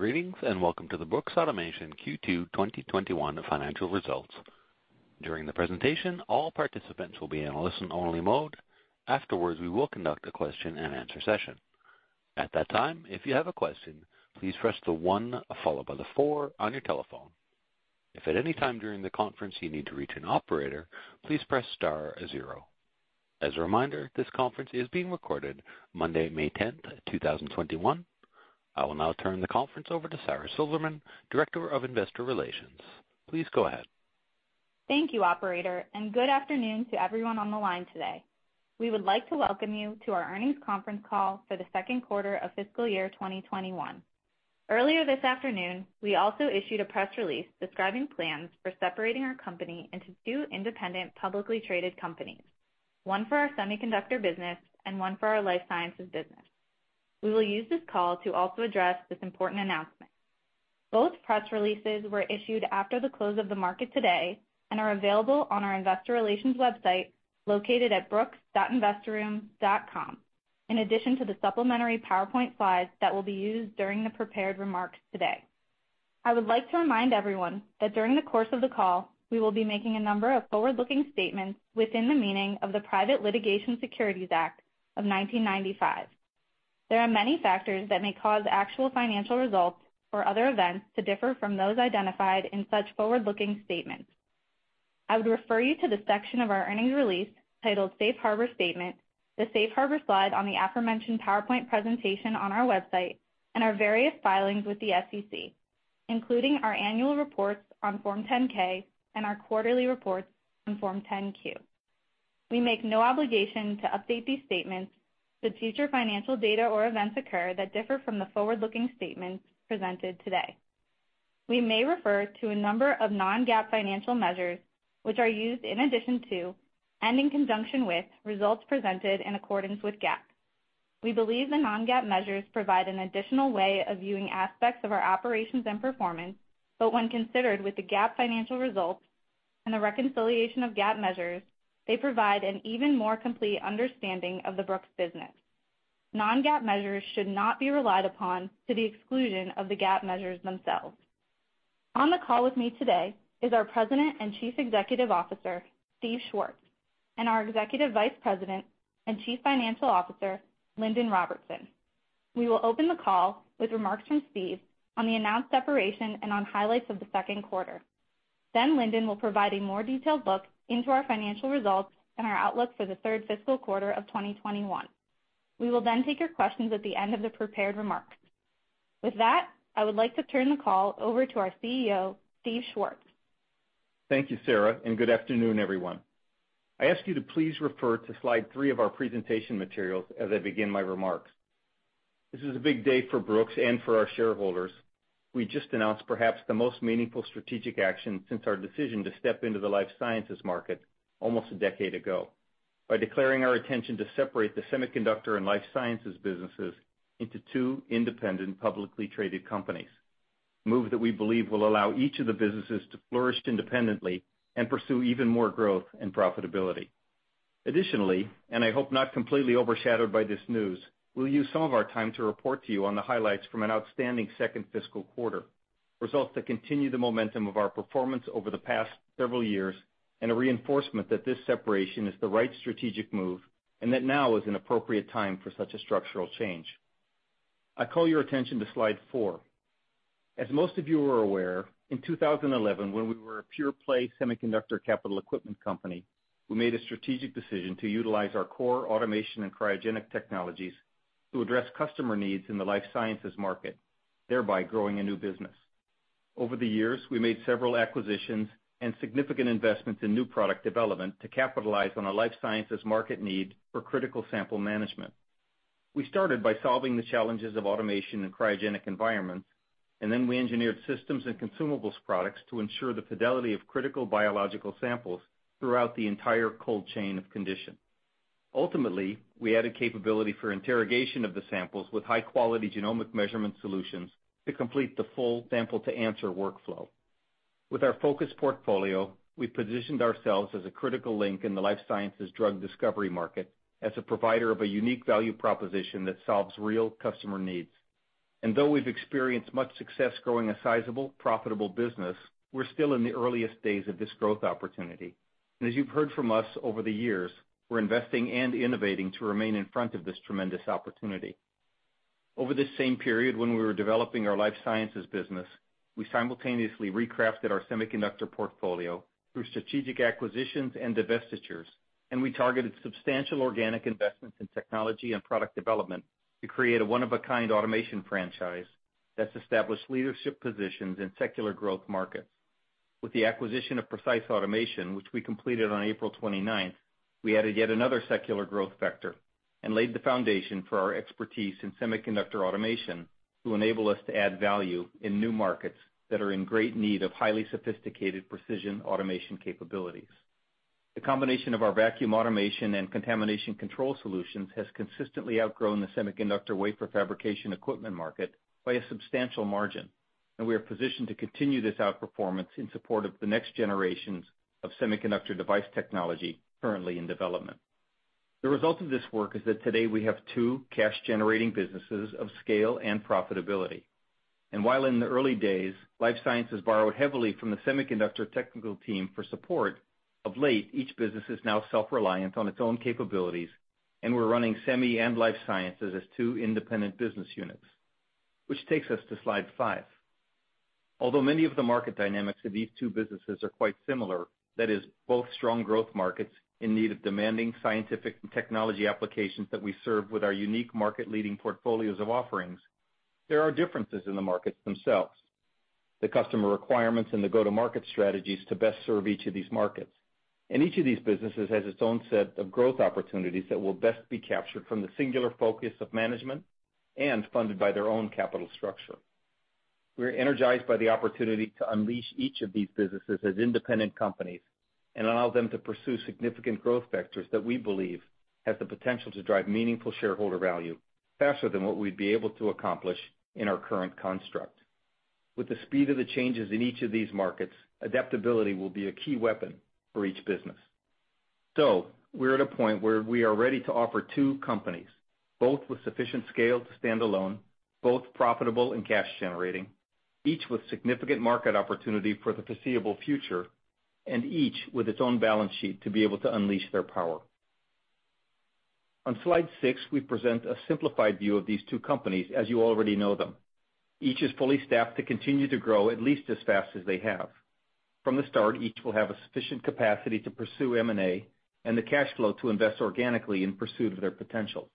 Greetings, and welcome to the Brooks Automation Q2 2021 financial results. During the presentation, all participants will be in a listen-only mode. Afterwards, we will conduct a question and answer session. At that time, if you have a question, please press the one followed by the four on your telephone. If at any time during the conference you need to reach an operator, please press star zero. As a reminder, this conference is being recorded Monday, May 10th, 2021. I will now turn the conference over to Sara Silverman, Director of Investor Relations. Please go ahead. Thank you, operator. Good afternoon to everyone on the line today. We would like to welcome you to our earnings conference call for the second quarter of fiscal year 2021. Earlier this afternoon, we also issued a press release describing plans for separating our company into two independent, publicly traded companies, one for our semiconductor business and one for our Life Sciences business. We will use this call to also address this important announcement. Both press releases were issued after the close of the market today and are available on our investor relations website, located at brooks.investorroom.com, in addition to the supplementary PowerPoint slides that will be used during the prepared remarks today. I would like to remind everyone that during the course of the call, we will be making a number of forward-looking statements within the meaning of the Private Securities Litigation Reform Act of 1995. There are many factors that may cause actual financial results or other events to differ from those identified in such forward-looking statements. I would refer you to the section of our earnings release titled Safe Harbor Statement, the Safe Harbor slide on the aforementioned PowerPoint presentation on our website, and our various filings with the SEC, including our annual reports on Form 10-K and our quarterly reports on Form 10-Q. We make no obligation to update these statements should future financial data or events occur that differ from the forward-looking statements presented today. We may refer to a number of non-GAAP financial measures, which are used in addition to and in conjunction with results presented in accordance with GAAP. We believe the non-GAAP measures provide an additional way of viewing aspects of our operations and performance, when considered with the GAAP financial results and the reconciliation of GAAP measures, they provide an even more complete understanding of the Brooks business. Non-GAAP measures should not be relied upon to the exclusion of the GAAP measures themselves. On the call with me today is our President and Chief Executive Officer, Steve Schwartz, and our Executive Vice President and Chief Financial Officer, Lindon Robertson. We will open the call with remarks from Steve on the announced separation and on highlights of the second quarter. Lindon will provide a more detailed look into our financial results and our outlook for the third fiscal quarter of 2021. We will take your questions at the end of the prepared remarks. With that, I would like to turn the call over to our CEO, Steve Schwartz. Thank you, Sara. Good afternoon, everyone. I ask you to please refer to slide three of our presentation materials as I begin my remarks. This is a big day for Brooks and for our shareholders. We just announced perhaps the most meaningful strategic action since our decision to step into the Life Sciences market almost a decade ago by declaring our intention to separate the Semiconductor and Life Sciences businesses into two independent, publicly traded companies. A move that we believe will allow each of the businesses to flourish independently and pursue even more growth and profitability. Additionally, and I hope not completely overshadowed by this news, we'll use some of our time to report to you on the highlights from an outstanding second fiscal quarter. Results that continue the momentum of our performance over the past several years, a reinforcement that this separation is the right strategic move, that now is an appropriate time for such a structural change. I call your attention to slide four. As most of you are aware, in 2011, when we were a pure-play semiconductor capital equipment company, we made a strategic decision to utilize our core automation and cryogenic technologies to address customer needs in the Life Sciences market, thereby growing a new business. Over the years, we made several acquisitions and significant investments in new product development to capitalize on a life sciences market need for critical sample management. We started by solving the challenges of automation in cryogenic environments, then we engineered systems and consumables products to ensure the fidelity of critical biological samples throughout the entire cold chain of condition. Ultimately, we added capability for interrogation of the samples with high-quality genomic measurement solutions to complete the full sample-to-answer workflow. With our focused portfolio, we've positioned ourselves as a critical link in the life sciences drug discovery market as a provider of a unique value proposition that solves real customer needs. Though we've experienced much success growing a sizable, profitable business, we're still in the earliest days of this growth opportunity. As you've heard from us over the years, we're investing and innovating to remain in front of this tremendous opportunity. Over this same period when we were developing our Life Sciences business, we simultaneously recrafted our semiconductor portfolio through strategic acquisitions and divestitures, and we targeted substantial organic investments in technology and product development to create a one-of-a-kind automation franchise that's established leadership positions in secular growth markets. With the acquisition of Precise Automation, which we completed on April 29th, we added yet another secular growth vector and laid the foundation for our expertise in semiconductor automation to enable us to add value in new markets that are in great need of highly sophisticated precision automation capabilities. The combination of our vacuum automation and contamination control solutions has consistently outgrown the semiconductor wafer fabrication equipment market by a substantial margin, and we are positioned to continue this outperformance in support of the next generations of semiconductor device technology currently in development. The result of this work is that today we have two cash-generating businesses of scale and profitability. While in the early days, Life Sciences borrowed heavily from the Semiconductor technical team for support, of late, each business is now self-reliant on its own capabilities, and we're running Semi and Life Sciences as two independent business units, which takes us to slide five. Although many of the market dynamics of these two businesses are quite similar, that is, both strong growth markets in need of demanding scientific and technology applications that we serve with our unique market-leading portfolios of offerings, there are differences in the markets themselves, the customer requirements, and the go-to-market strategies to best serve each of these markets. Each of these businesses has its own set of growth opportunities that will best be captured from the singular focus of management and funded by their own capital structure. We're energized by the opportunity to unleash each of these businesses as independent companies and allow them to pursue significant growth vectors that we believe have the potential to drive meaningful shareholder value faster than what we'd be able to accomplish in our current construct. With the speed of the changes in each of these markets, adaptability will be a key weapon for each business. We're at a point where we are ready to offer two companies, both with sufficient scale to stand alone, both profitable and cash generating, each with significant market opportunity for the foreseeable future, and each with its own balance sheet to be able to unleash their power. On slide six, we present a simplified view of these two companies as you already know them. Each is fully staffed to continue to grow at least as fast as they have. From the start, each will have a sufficient capacity to pursue M&A and the cash flow to invest organically in pursuit of their potential.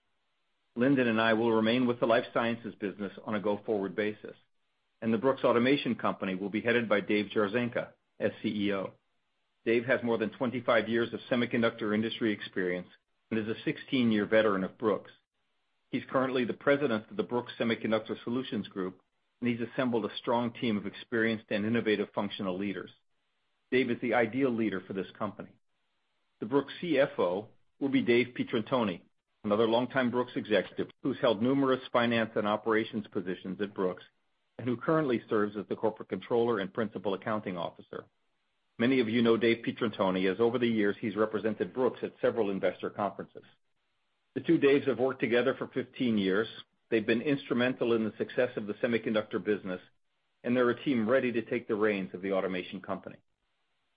Lindon and I will remain with the Life Sciences business on a go-forward basis, and the Brooks Automation company will be headed by Dave Jarzynka as CEO. Dave has more than 25 years of semiconductor industry experience and is a 16-year veteran of Brooks. He's currently the President of the Brooks Semiconductor Solutions Group, and he's assembled a strong team of experienced and innovative functional leaders. Dave is the ideal leader for this company. The Brooks CFO will be Dave Pietrantoni, another longtime Brooks executive who's held numerous finance and operations positions at Brooks, and who currently serves as the Corporate Controller and Principal Accounting Officer. Many of you know Dave Pietrantoni, as over the years, he's represented Brooks at several investor conferences. The two Daves have worked together for 15 years. They've been instrumental in the success of the semiconductor business, and they're a team ready to take the reins of the automation company.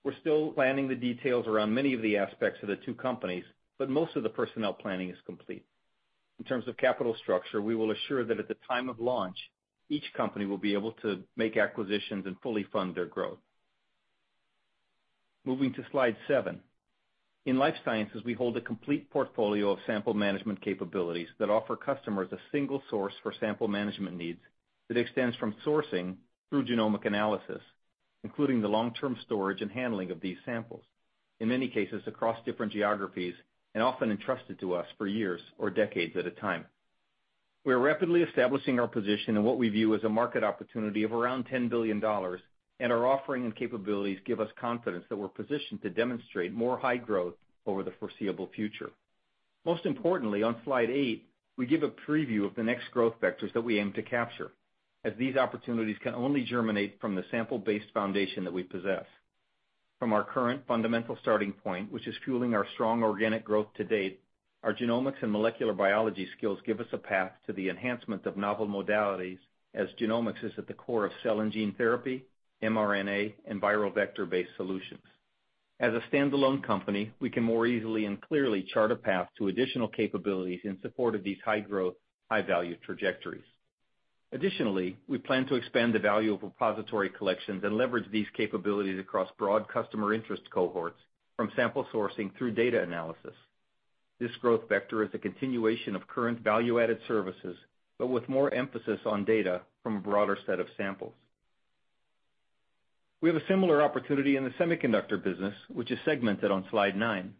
We're still planning the details around many of the aspects of the two companies, but most of the personnel planning is complete. In terms of capital structure, we will assure that at the time of launch, each company will be able to make acquisitions and fully fund their growth. Moving to slide seven. In Life Sciences, we hold a complete portfolio of sample management capabilities that offer customers a single source for sample management needs that extends from sourcing through genomic analysis, including the long-term storage and handling of these samples, in many cases across different geographies and often entrusted to us for years or decades at a time. We are rapidly establishing our position in what we view as a market opportunity of around $10 billion, our offering and capabilities give us confidence that we're positioned to demonstrate more high growth over the foreseeable future. Most importantly, on slide eight, we give a preview of the next growth vectors that we aim to capture, as these opportunities can only germinate from the sample-based foundation that we possess. From our current fundamental starting point, which is fueling our strong organic growth to date, our genomics and molecular biology skills give us a path to the enhancement of novel modalities as genomics is at the core of cell and gene therapy, mRNA, and viral vector-based solutions. As a standalone company, we can more easily and clearly chart a path to additional capabilities in support of these high-growth, high-value trajectories. We plan to expand the value of repository collections and leverage these capabilities across broad customer interest cohorts from sample sourcing through data analysis. This growth vector is a continuation of current value-added services, but with more emphasis on data from a broader set of samples. We have a similar opportunity in the semiconductor business, which is segmented on slide nine.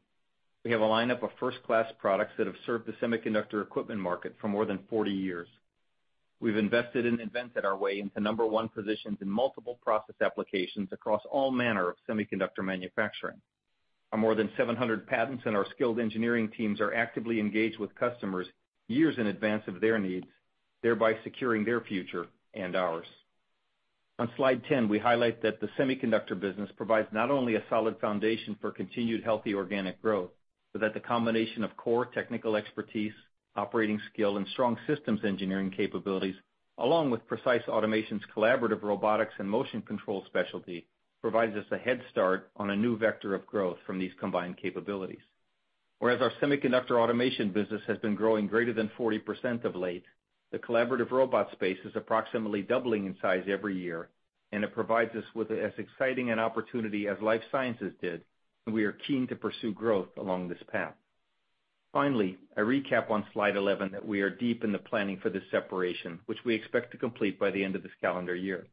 We have a lineup of first-class products that have served the semiconductor equipment market for more than 40 years. We've invested and invented our way into number 1 positions in multiple process applications across all manner of semiconductor manufacturing. Our more than 700 patents and our skilled engineering teams are actively engaged with customers years in advance of their needs, thereby securing their future and ours. On slide 10, we highlight that the semiconductor business provides not only a solid foundation for continued healthy organic growth, but that the combination of core technical expertise, operating skill, and strong systems engineering capabilities, along with Precise Automation's collaborative robotics and motion control specialty, provides us a head start on a new vector of growth from these combined capabilities. Whereas our semiconductor automation business has been growing greater than 40% of late, the collaborative robot space is approximately doubling in size every year, and it provides us with as exciting an opportunity as Life Sciences did, and we are keen to pursue growth along this path. Finally, a recap on slide 11 that we are deep in the planning for this separation, which we expect to complete by the end of this calendar year.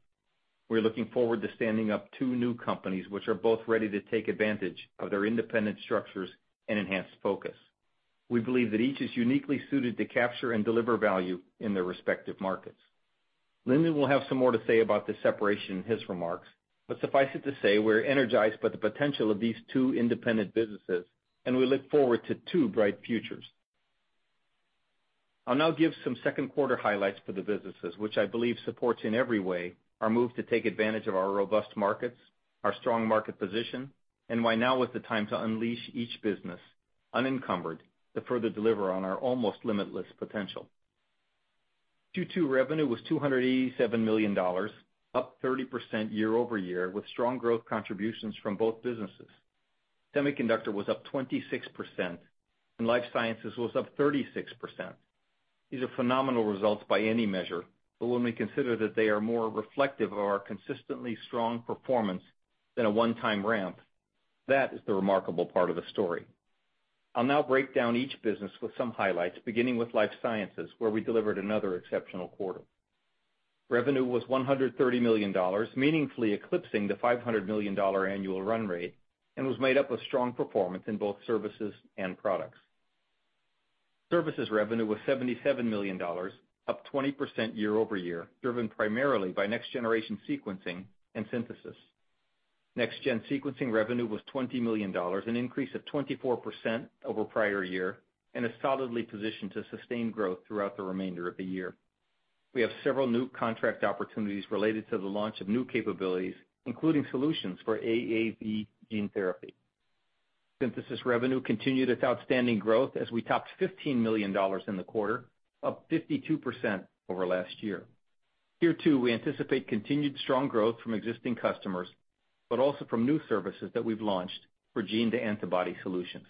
We're looking forward to standing up two new companies which are both ready to take advantage of their independent structures and enhanced focus. We believe that each is uniquely suited to capture and deliver value in their respective markets. Lindon will have some more to say about the separation in his remarks, but suffice it to say we're energized by the potential of these two independent businesses, and we look forward to two bright futures. I'll now give some second quarter highlights for the businesses, which I believe supports in every way our move to take advantage of our robust markets, our strong market position, and why now is the time to unleash each business unencumbered to further deliver on our almost limitless potential. Q2 revenue was $287 million, up 30% year-over-year, with strong growth contributions from both businesses. Semiconductor was up 26% and Life Sciences was up 36%. These are phenomenal results by any measure, but when we consider that they are more reflective of our consistently strong performance than a one-time ramp, that is the remarkable part of the story. I'll now break down each business with some highlights, beginning with Life Sciences, where we delivered another exceptional quarter. Revenue was $130 million, meaningfully eclipsing the $500 million annual run rate, and was made up of strong performance in both services and products. Services revenue was $77 million, up 20% year-over-year, driven primarily by next generation sequencing and synthesis. Next gen sequencing revenue was $20 million, an increase of 24% over prior year, and is solidly positioned to sustain growth throughout the remainder of the year. We have several new contract opportunities related to the launch of new capabilities, including solutions for AAV gene therapy. Synthesis revenue continued its outstanding growth as we topped $15 million in the quarter, up 52% over last year. Here, too, we anticipate continued strong growth from existing customers, but also from new services that we've launched for gene to antibody solutions.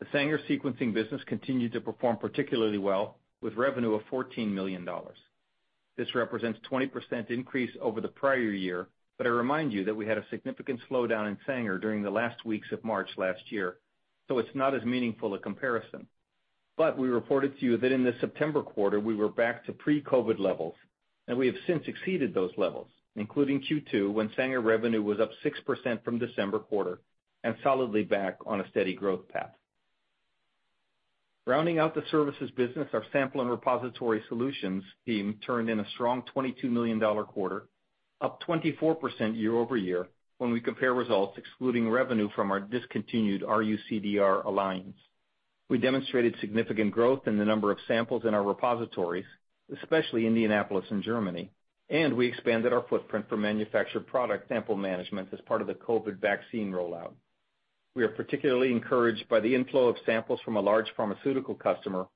The Sanger sequencing business continued to perform particularly well, with revenue of $14 million. This represents 20% increase over the prior year, I remind you that we had a significant slowdown in Sanger during the last weeks of March last year, so it's not as meaningful a comparison. We reported to you that in the September quarter we were back to pre-COVID levels, and we have since exceeded those levels, including Q2, when Sanger revenue was up 6% from December quarter and solidly back on a steady growth path. Rounding out the services business, our sample and repository solutions team turned in a strong $22 million quarter, up 24% year-over-year when we compare results excluding revenue from our discontinued RUCDR alliance. We demonstrated significant growth in the number of samples in our repositories, especially Indianapolis and Germany, and we expanded our footprint for manufactured product sample management as part of the COVID vaccine rollout. We are particularly encouraged by the inflow of samples from a large pharmaceutical customer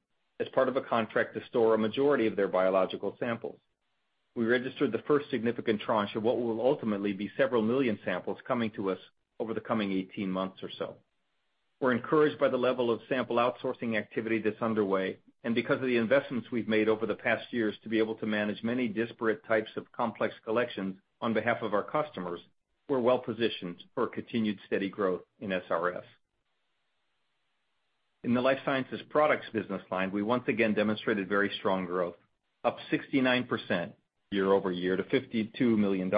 as part of a contract to store a majority of their biological samples. We registered the first significant tranche of what will ultimately be several million samples coming to us over the coming 18 months or so. We're encouraged by the level of sample outsourcing activity that's underway. Because of the investments we've made over the past years to be able to manage many disparate types of complex collections on behalf of our customers, we're well positioned for continued steady growth in SRS. In the Life Sciences products business line, we once again demonstrated very strong growth, up 69% year-over-year to $52 million,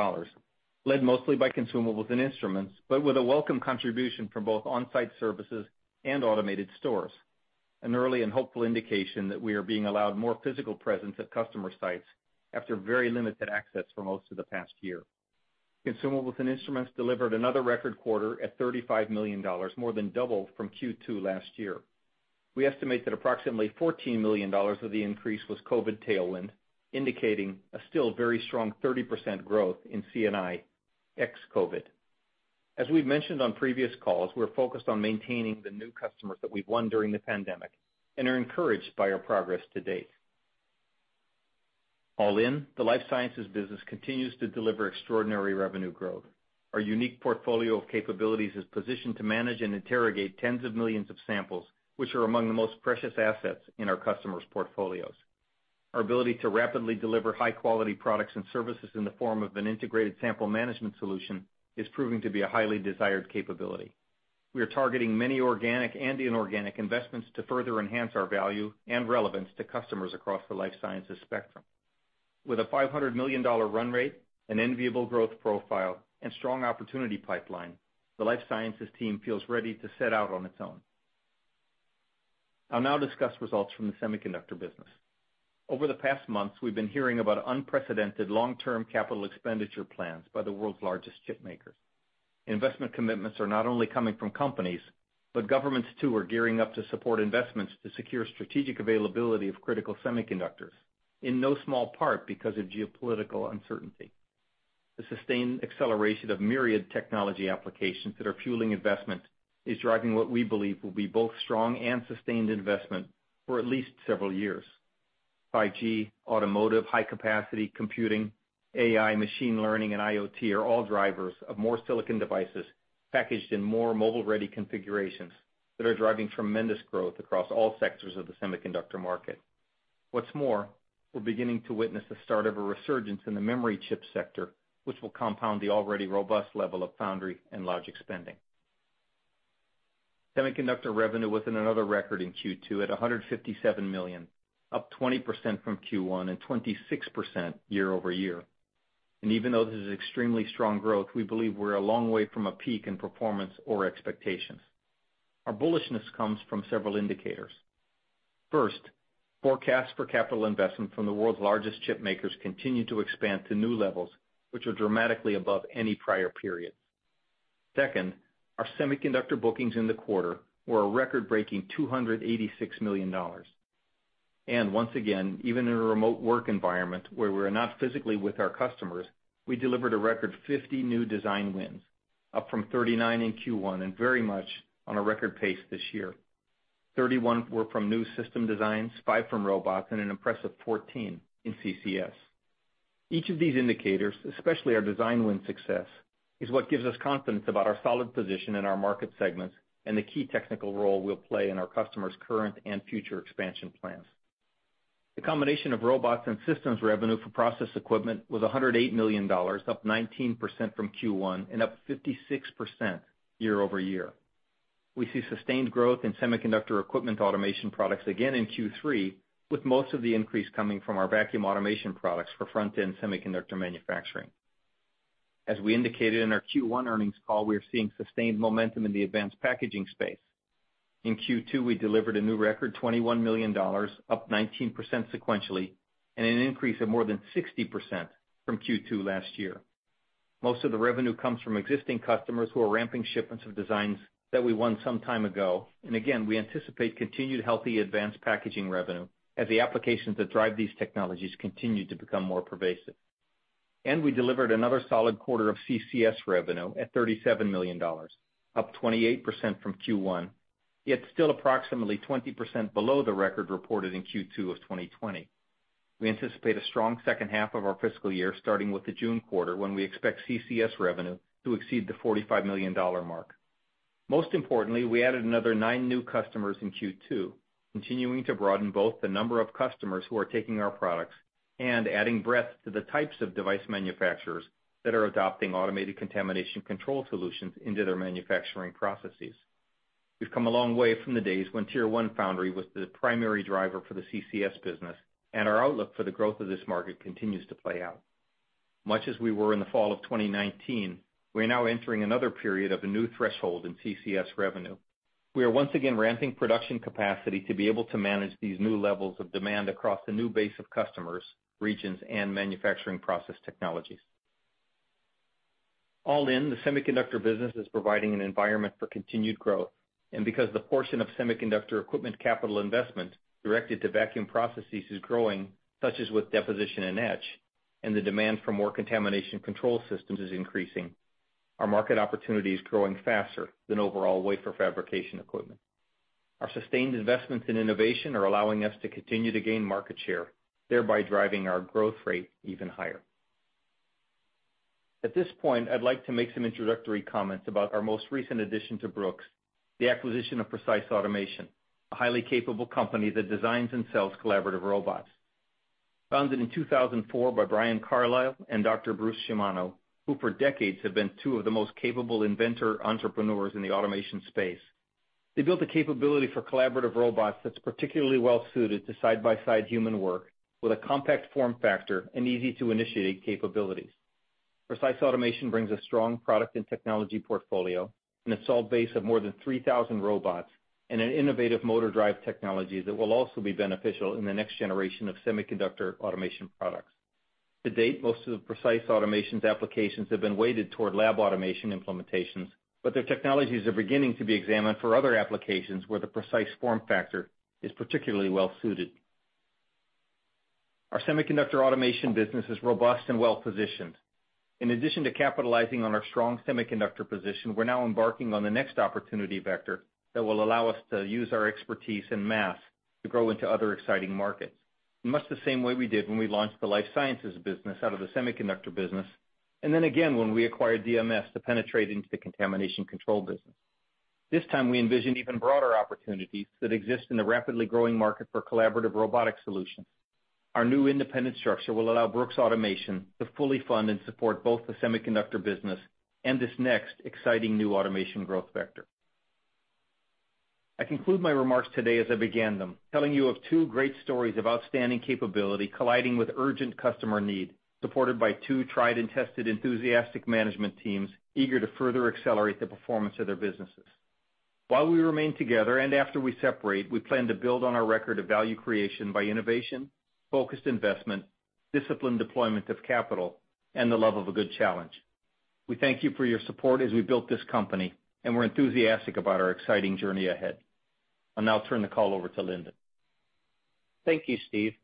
led mostly by consumables and instruments, but with a welcome contribution from both on-site services and automated stores, an early and hopeful indication that we are being allowed more physical presence at customer sites after very limited access for most of the past year. Consumables and instruments delivered another record quarter at $35 million, more than double from Q2 last year. We estimate that approximately $14 million of the increase was COVID tailwind, indicating a still very strong 30% growth in C&I ex-COVID. As we've mentioned on previous calls, we're focused on maintaining the new customers that we've won during the pandemic and are encouraged by our progress to date. All in, the Life Sciences business continues to deliver extraordinary revenue growth. Our unique portfolio of capabilities is positioned to manage and interrogate tens of millions of samples, which are among the most precious assets in our customers' portfolios. Our ability to rapidly deliver high-quality products and services in the form of an integrated sample management solution is proving to be a highly desired capability. We are targeting many organic and inorganic investments to further enhance our value and relevance to customers across the Life Sciences spectrum. With a $500 million run rate, an enviable growth profile, and strong opportunity pipeline, the Life Sciences team feels ready to set out on its own. I'll now discuss results from the semiconductor business. Over the past months, we've been hearing about unprecedented long-term capital expenditure plans by the world's largest chip makers. Investment commitments are not only coming from companies. Governments too are gearing up to support investments to secure strategic availability of critical semiconductors, in no small part because of geopolitical uncertainty. The sustained acceleration of myriad technology applications that are fueling investment is driving what we believe will be both strong and sustained investment for at least several years. 5G, automotive, high capacity computing, AI, machine learning, and IoT are all drivers of more silicon devices packaged in more mobile-ready configurations that are driving tremendous growth across all sectors of the semiconductor market. What's more, we're beginning to witness the start of a resurgence in the memory chip sector, which will compound the already robust level of foundry and logic spending. Semiconductor revenue was in another record in Q2 at $157 million, up 20% from Q1 and 26% year-over-year. Even though this is extremely strong growth, we believe we're a long way from a peak in performance or expectations. Our bullishness comes from several indicators. First, forecasts for capital investment from the world's largest chip makers continue to expand to new levels, which are dramatically above any prior period. Second, our semiconductor bookings in the quarter were a record-breaking $286 million. Once again, even in a remote work environment where we're not physically with our customers, we delivered a record 50 new design wins, up from 39 in Q1 and very much on a record pace this year. 31 were from new system designs, five from robots, and an impressive 14 in CCS. Each of these indicators, especially our design win success, is what gives us confidence about our solid position in our market segments and the key technical role we'll play in our customers' current and future expansion plans. The combination of robots and systems revenue for process equipment was $108 million, up 19% from Q1 and up 56% year-over-year. We see sustained growth in semiconductor equipment automation products again in Q3, with most of the increase coming from our vacuum automation products for front-end semiconductor manufacturing. As we indicated in our Q1 earnings call, we are seeing sustained momentum in the advanced packaging space. In Q2, we delivered a new record $21 million, up 19% sequentially, and an increase of more than 60% from Q2 last year. Most of the revenue comes from existing customers who are ramping shipments of designs that we won some time ago. Again, we anticipate continued healthy advanced packaging revenue as the applications that drive these technologies continue to become more pervasive. We delivered another solid quarter of CCS revenue at $37 million, up 28% from Q1, yet still approximately 20% below the record reported in Q2 of 2020. We anticipate a strong second half of our fiscal year, starting with the June quarter, when we expect CCS revenue to exceed the $45 million mark. Most importantly, we added another nine new customers in Q2, continuing to broaden both the number of customers who are taking our products and adding breadth to the types of device manufacturers that are adopting automated contamination control solutions into their manufacturing processes. We've come a long way from the days when Tier 1 Foundry was the primary driver for the CCS business, and our outlook for the growth of this market continues to play out. Much as we were in the fall of 2019, we are now entering another period of a new threshold in CCS revenue. We are once again ramping production capacity to be able to manage these new levels of demand across a new base of customers, regions, and manufacturing process technologies. All in, the semiconductor business is providing an environment for continued growth. Because the portion of semiconductor equipment capital investment directed to vacuum processes is growing, such as with deposition and etch, and the demand for more contamination control systems is increasing, our market opportunity is growing faster than overall wafer fabrication equipment. Our sustained investments in innovation are allowing us to continue to gain market share, thereby driving our growth rate even higher. At this point, I'd like to make some introductory comments about our most recent addition to Brooks, the acquisition of Precise Automation, a highly capable company that designs and sells collaborative robots. Founded in 2004 by Brian Carlisle and Dr. Bruce Shimano, who for decades have been two of the most capable inventor entrepreneurs in the automation space. They built a capability for collaborative robots that's particularly well-suited to side-by-side human work with a compact form factor and easy-to-initiate capabilities. Precise Automation brings a strong product and technology portfolio, an installed base of more than 3,000 robots, and an innovative motor drive technology that will also be beneficial in the next generation of semiconductor automation products. To date, most of Precise Automation's applications have been weighted toward lab automation implementations, but their technologies are beginning to be examined for other applications where the Precise Automation form factor is particularly well-suited. Our semiconductor automation business is robust and well-positioned. In addition to capitalizing on our strong semiconductor position, we're now embarking on the next opportunity vector that will allow us to use our expertise in mask to grow into other exciting markets, in much the same way we did when we launched the Life Sciences business out of the semiconductor business, and then again when we acquired DMS to penetrate into the contamination control business. This time we envision even broader opportunities that exist in the rapidly growing market for collaborative robotic solutions. Our new independent structure will allow Brooks Automation to fully fund and support both the semiconductor business and this next exciting new automation growth vector. I conclude my remarks today as I began them, telling you of two great stories of outstanding capability colliding with urgent customer need, supported by two tried and tested enthusiastic management teams eager to further accelerate the performance of their businesses. While we remain together and after we separate, we plan to build on our record of value creation by innovation, focused investment, disciplined deployment of capital, and the love of a good challenge. We thank you for your support as we built this company, and we're enthusiastic about our exciting journey ahead. I'll now turn the call over to Lindon. Thank you, Steve.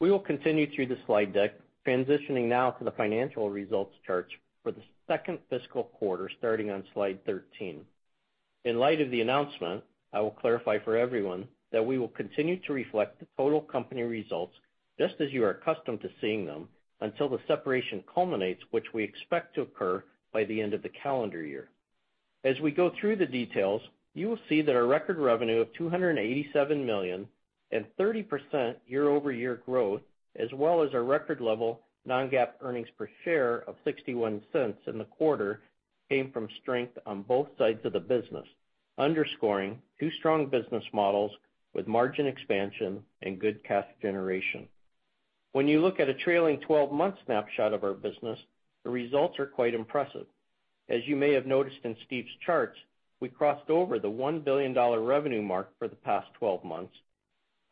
We will continue through the slide deck, transitioning now to the financial results charts for the second fiscal quarter starting on slide 13. In light of the announcement, I will clarify for everyone that we will continue to reflect the total company results just as you are accustomed to seeing them until the separation culminates, which we expect to occur by the end of the calendar year. As we go through the details, you will see that our record revenue of $287 million and 30% year-over-year growth, as well as our record level non-GAAP earnings per share of $0.61 in the quarter, came from strength on both sides of the business, underscoring two strong business models with margin expansion and good cash generation. When you look at a trailing 12-month snapshot of our business, the results are quite impressive. As you may have noticed in Steve's charts, we crossed over the $1 billion revenue mark for the past 12 months.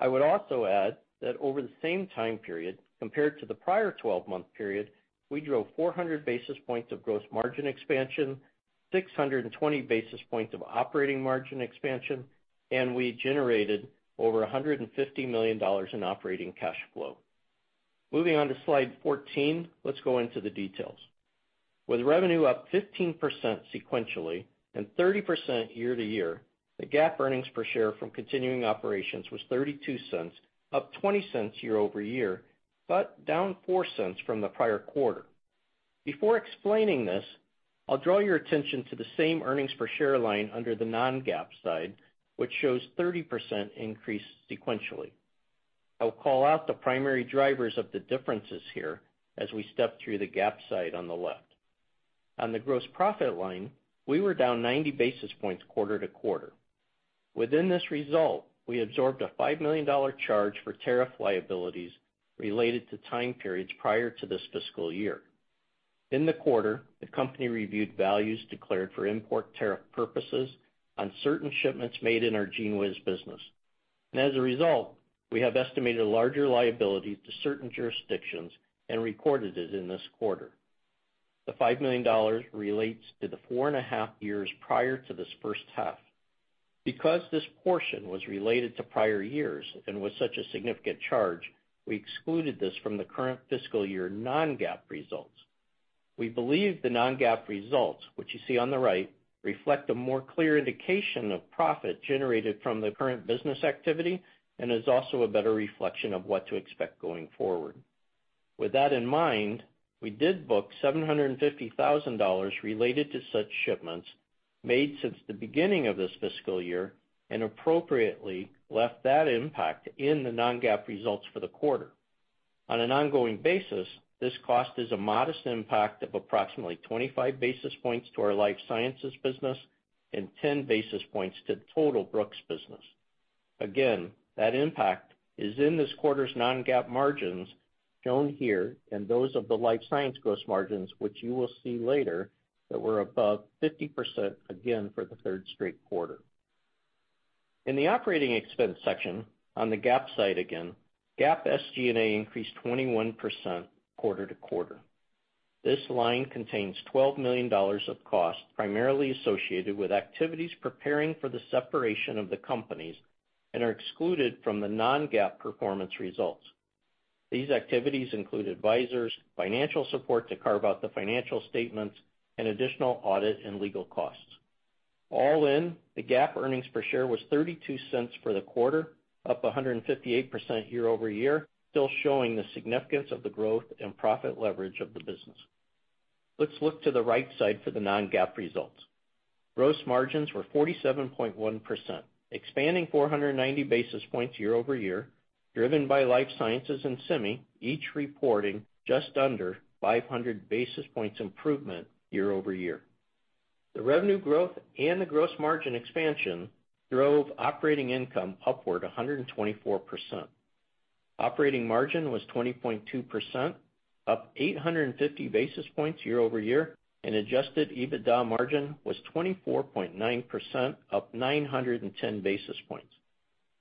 I would also add that over the same time period compared to the prior 12-month period, we drove 400 basis points of gross margin expansion, 620 basis points of operating margin expansion, and we generated over $150 million in operating cash flow. Moving on to slide 14, let's go into the details. With revenue up 15% sequentially and 30% year-over-year, the GAAP earnings per share from continuing operations was $0.32, up $0.20 year-over-year, but down $0.04 from the prior quarter. Before explaining this, I'll draw your attention to the same earnings per share line under the non-GAAP side, which shows 30% increase sequentially. I'll call out the primary drivers of the differences here as we step through the GAAP side on the left. On the gross profit line, we were down 90 basis points quarter to quarter. Within this result, we absorbed a $5 million charge for tariff liabilities related to time periods prior to this fiscal year. In the quarter, the company reviewed values declared for import tariff purposes on certain shipments made in our GENEWIZ business. As a result, we have estimated larger liability to certain jurisdictions and recorded it in this quarter. The $5 million relates to the four and a half years prior to this first half. Because this portion was related to prior years and was such a significant charge, we excluded this from the current fiscal year non-GAAP results. We believe the non-GAAP results, which you see on the right, reflect a more clear indication of profit generated from the current business activity and is also a better reflection of what to expect going forward. With that in mind, we did book $750,000 related to such shipments made since the beginning of this fiscal year and appropriately left that impact in the non-GAAP results for the quarter. On an ongoing basis, this cost is a modest impact of approximately 25 basis points to our Life Sciences business and 10 basis points to the total Brooks business. Again, that impact is in this quarter's non-GAAP margins shown here and those of the life science gross margins, which you will see later, that were above 50% again for the third straight quarter. In the operating expense section on the GAAP side again, GAAP SG&A increased 21% quarter-to-quarter. This line contains $12 million of cost primarily associated with activities preparing for the separation of the companies and are excluded from the non-GAAP performance results. These activities include advisors, financial support to carve out the financial statements, and additional audit and legal costs. All in, the GAAP earnings per share was $0.32 for the quarter, up 158% year-over-year, still showing the significance of the growth and profit leverage of the business. Let's look to the right side for the non-GAAP results. Gross margins were 47.1%, expanding 490 basis points year-over-year, driven by Life Sciences and Semi, each reporting just under 500 basis points improvement year-over-year. The revenue growth and the gross margin expansion drove operating income upward 124%. Operating margin was 20.2%, up 850 basis points year-over-year, and adjusted EBITDA margin was 24.9%, up 910 basis points.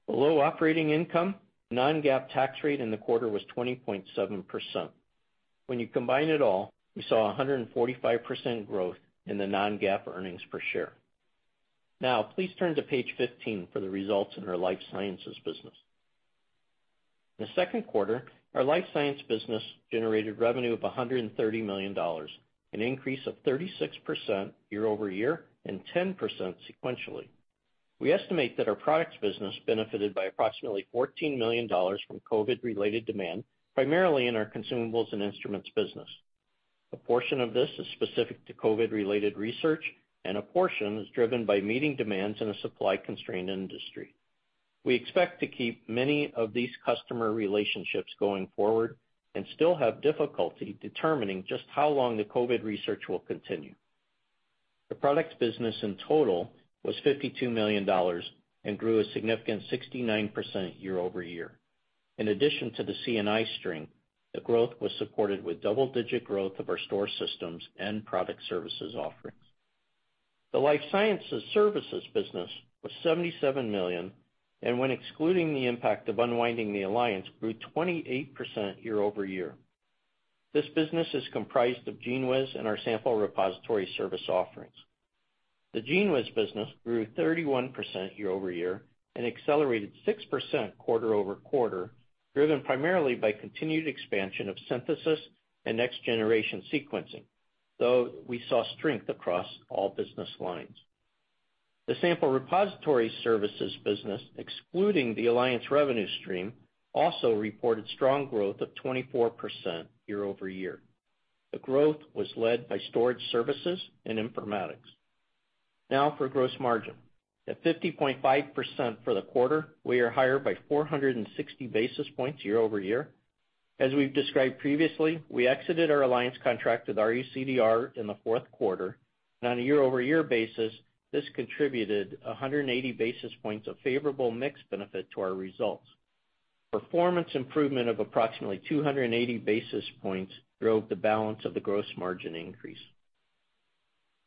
Below operating income, non-GAAP tax rate in the quarter was 20.7%. When you combine it all, we saw 145% growth in the non-GAAP earnings per share. Please turn to page 15 for the results in our Life Sciences business. In the second quarter, our Life Sciences business generated revenue of $130 million, an increase of 36% year-over-year and 10% sequentially. We estimate that our products business benefited by approximately $14 million from COVID-related demand, primarily in our Consumables and Instruments business. A portion of this is specific to COVID-related research, a portion is driven by meeting demands in a supply-constrained industry. We expect to keep many of these customer relationships going forward and still have difficulty determining just how long the COVID research will continue. The products business in total was $52 million and grew a significant 69% year-over-year. In addition to the C&I stream, the growth was supported with double-digit growth of our store systems and product services offerings. The Life Sciences services business was $77 million, and when excluding the impact of unwinding the alliance, grew 28% year-over-year. This business is comprised of GENEWIZ and our sample repository service offerings. The GENEWIZ business grew 31% year-over-year and accelerated 6% quarter-over-quarter, driven primarily by continued expansion of synthesis and next-generation sequencing, though we saw strength across all business lines. The sample repository services business, excluding the alliance revenue stream, also reported strong growth of 24% year-over-year. The growth was led by storage services and informatics. For gross margin. At 50.5% for the quarter, we are higher by 460 basis points year-over-year. As we've described previously, we exited our alliance contract with RUCDR in the fourth quarter, and on a year-over-year basis, this contributed 180 basis points of favorable mix benefit to our results. Performance improvement of approximately 280 basis points drove the balance of the gross margin increase.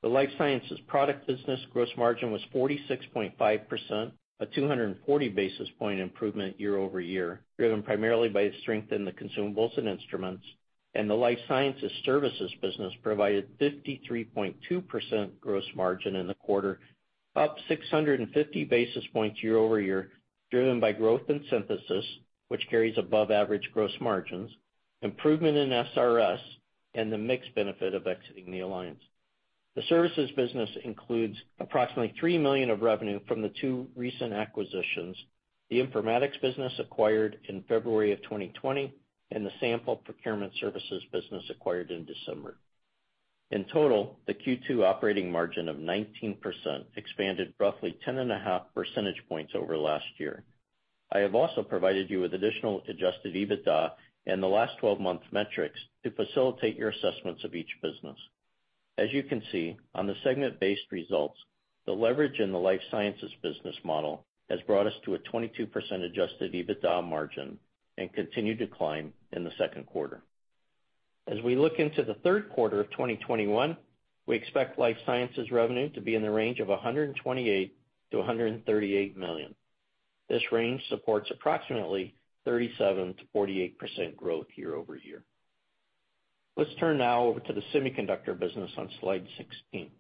The Life Sciences product business gross margin was 46.5%, a 240 basis point improvement year-over-year, driven primarily by strength in the consumables and instruments, and the Life Sciences services business provided 53.2% gross margin in the quarter, up 650 basis points year-over-year, driven by growth in synthesis, which carries above average gross margins, improvement in SRS, and the mix benefit of exiting the alliance. The services business includes approximately $3 million of revenue from the two recent acquisitions, the informatics business acquired in February of 2020, and the sample procurement services business acquired in December. In total, the Q2 operating margin of 19% expanded roughly 10.5 percentage points over last year. I have also provided you with additional adjusted EBITDA in the last 12-month metrics to facilitate your assessments of each business. As you can see on the segment-based results, the leverage in the Life Sciences business model has brought us to a 22% adjusted EBITDA margin and continued to climb in the second quarter. As we look into the third quarter of 2021, we expect Life Sciences revenue to be in the range of $128 million-$138 million. This range supports approximately 37%-48% growth year-over-year. Let's turn now over to the Semiconductor Solutions business on slide 16.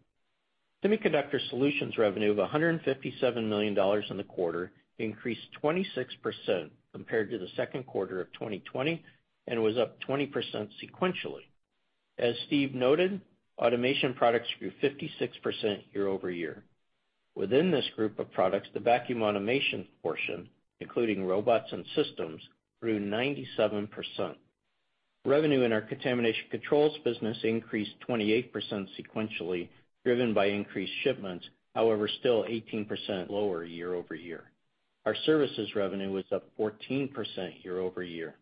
Semiconductor Solutions revenue of $157 million in the quarter increased 26% compared to the second quarter of 2020, and was up 20% sequentially. As Steve noted, automation products grew 56% year-over-year. Within this group of products, the vacuum automation portion, including robots and systems, grew 97%. Revenue in our Contamination Control business increased 28% sequentially driven by increased shipments, however, still 18% lower year-over-year. Our services revenue was up 14% year-over-year.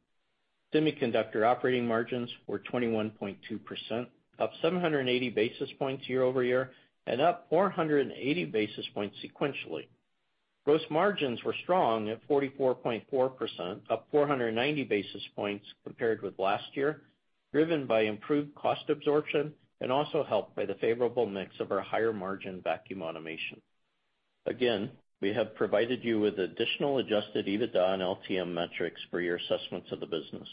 Semiconductor operating margins were 21.2%, up 780 basis points year-over-year, and up 480 basis points sequentially. Gross margins were strong at 44.4%, up 490 basis points compared with last year, driven by improved cost absorption and also helped by the favorable mix of our higher margin vacuum automation. Again, we have provided you with additional adjusted EBITDA and LTM metrics for your assessments of the business.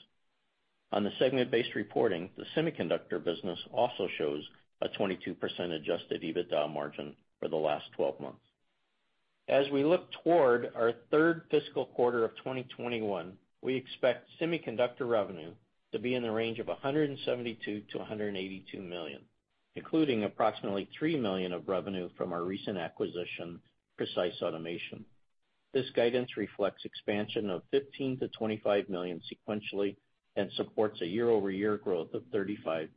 On the segment-based reporting, the semiconductor business also shows a 22% adjusted EBITDA margin for the last 12 months. As we look toward our third fiscal quarter of 2021, we expect semiconductor revenue to be in the range of $172 million-$182 million, including approximately $3 million of revenue from our recent acquisition, Precise Automation. This guidance reflects expansion of $15 million-$25 million sequentially and supports a year-over-year growth of 35%-43%.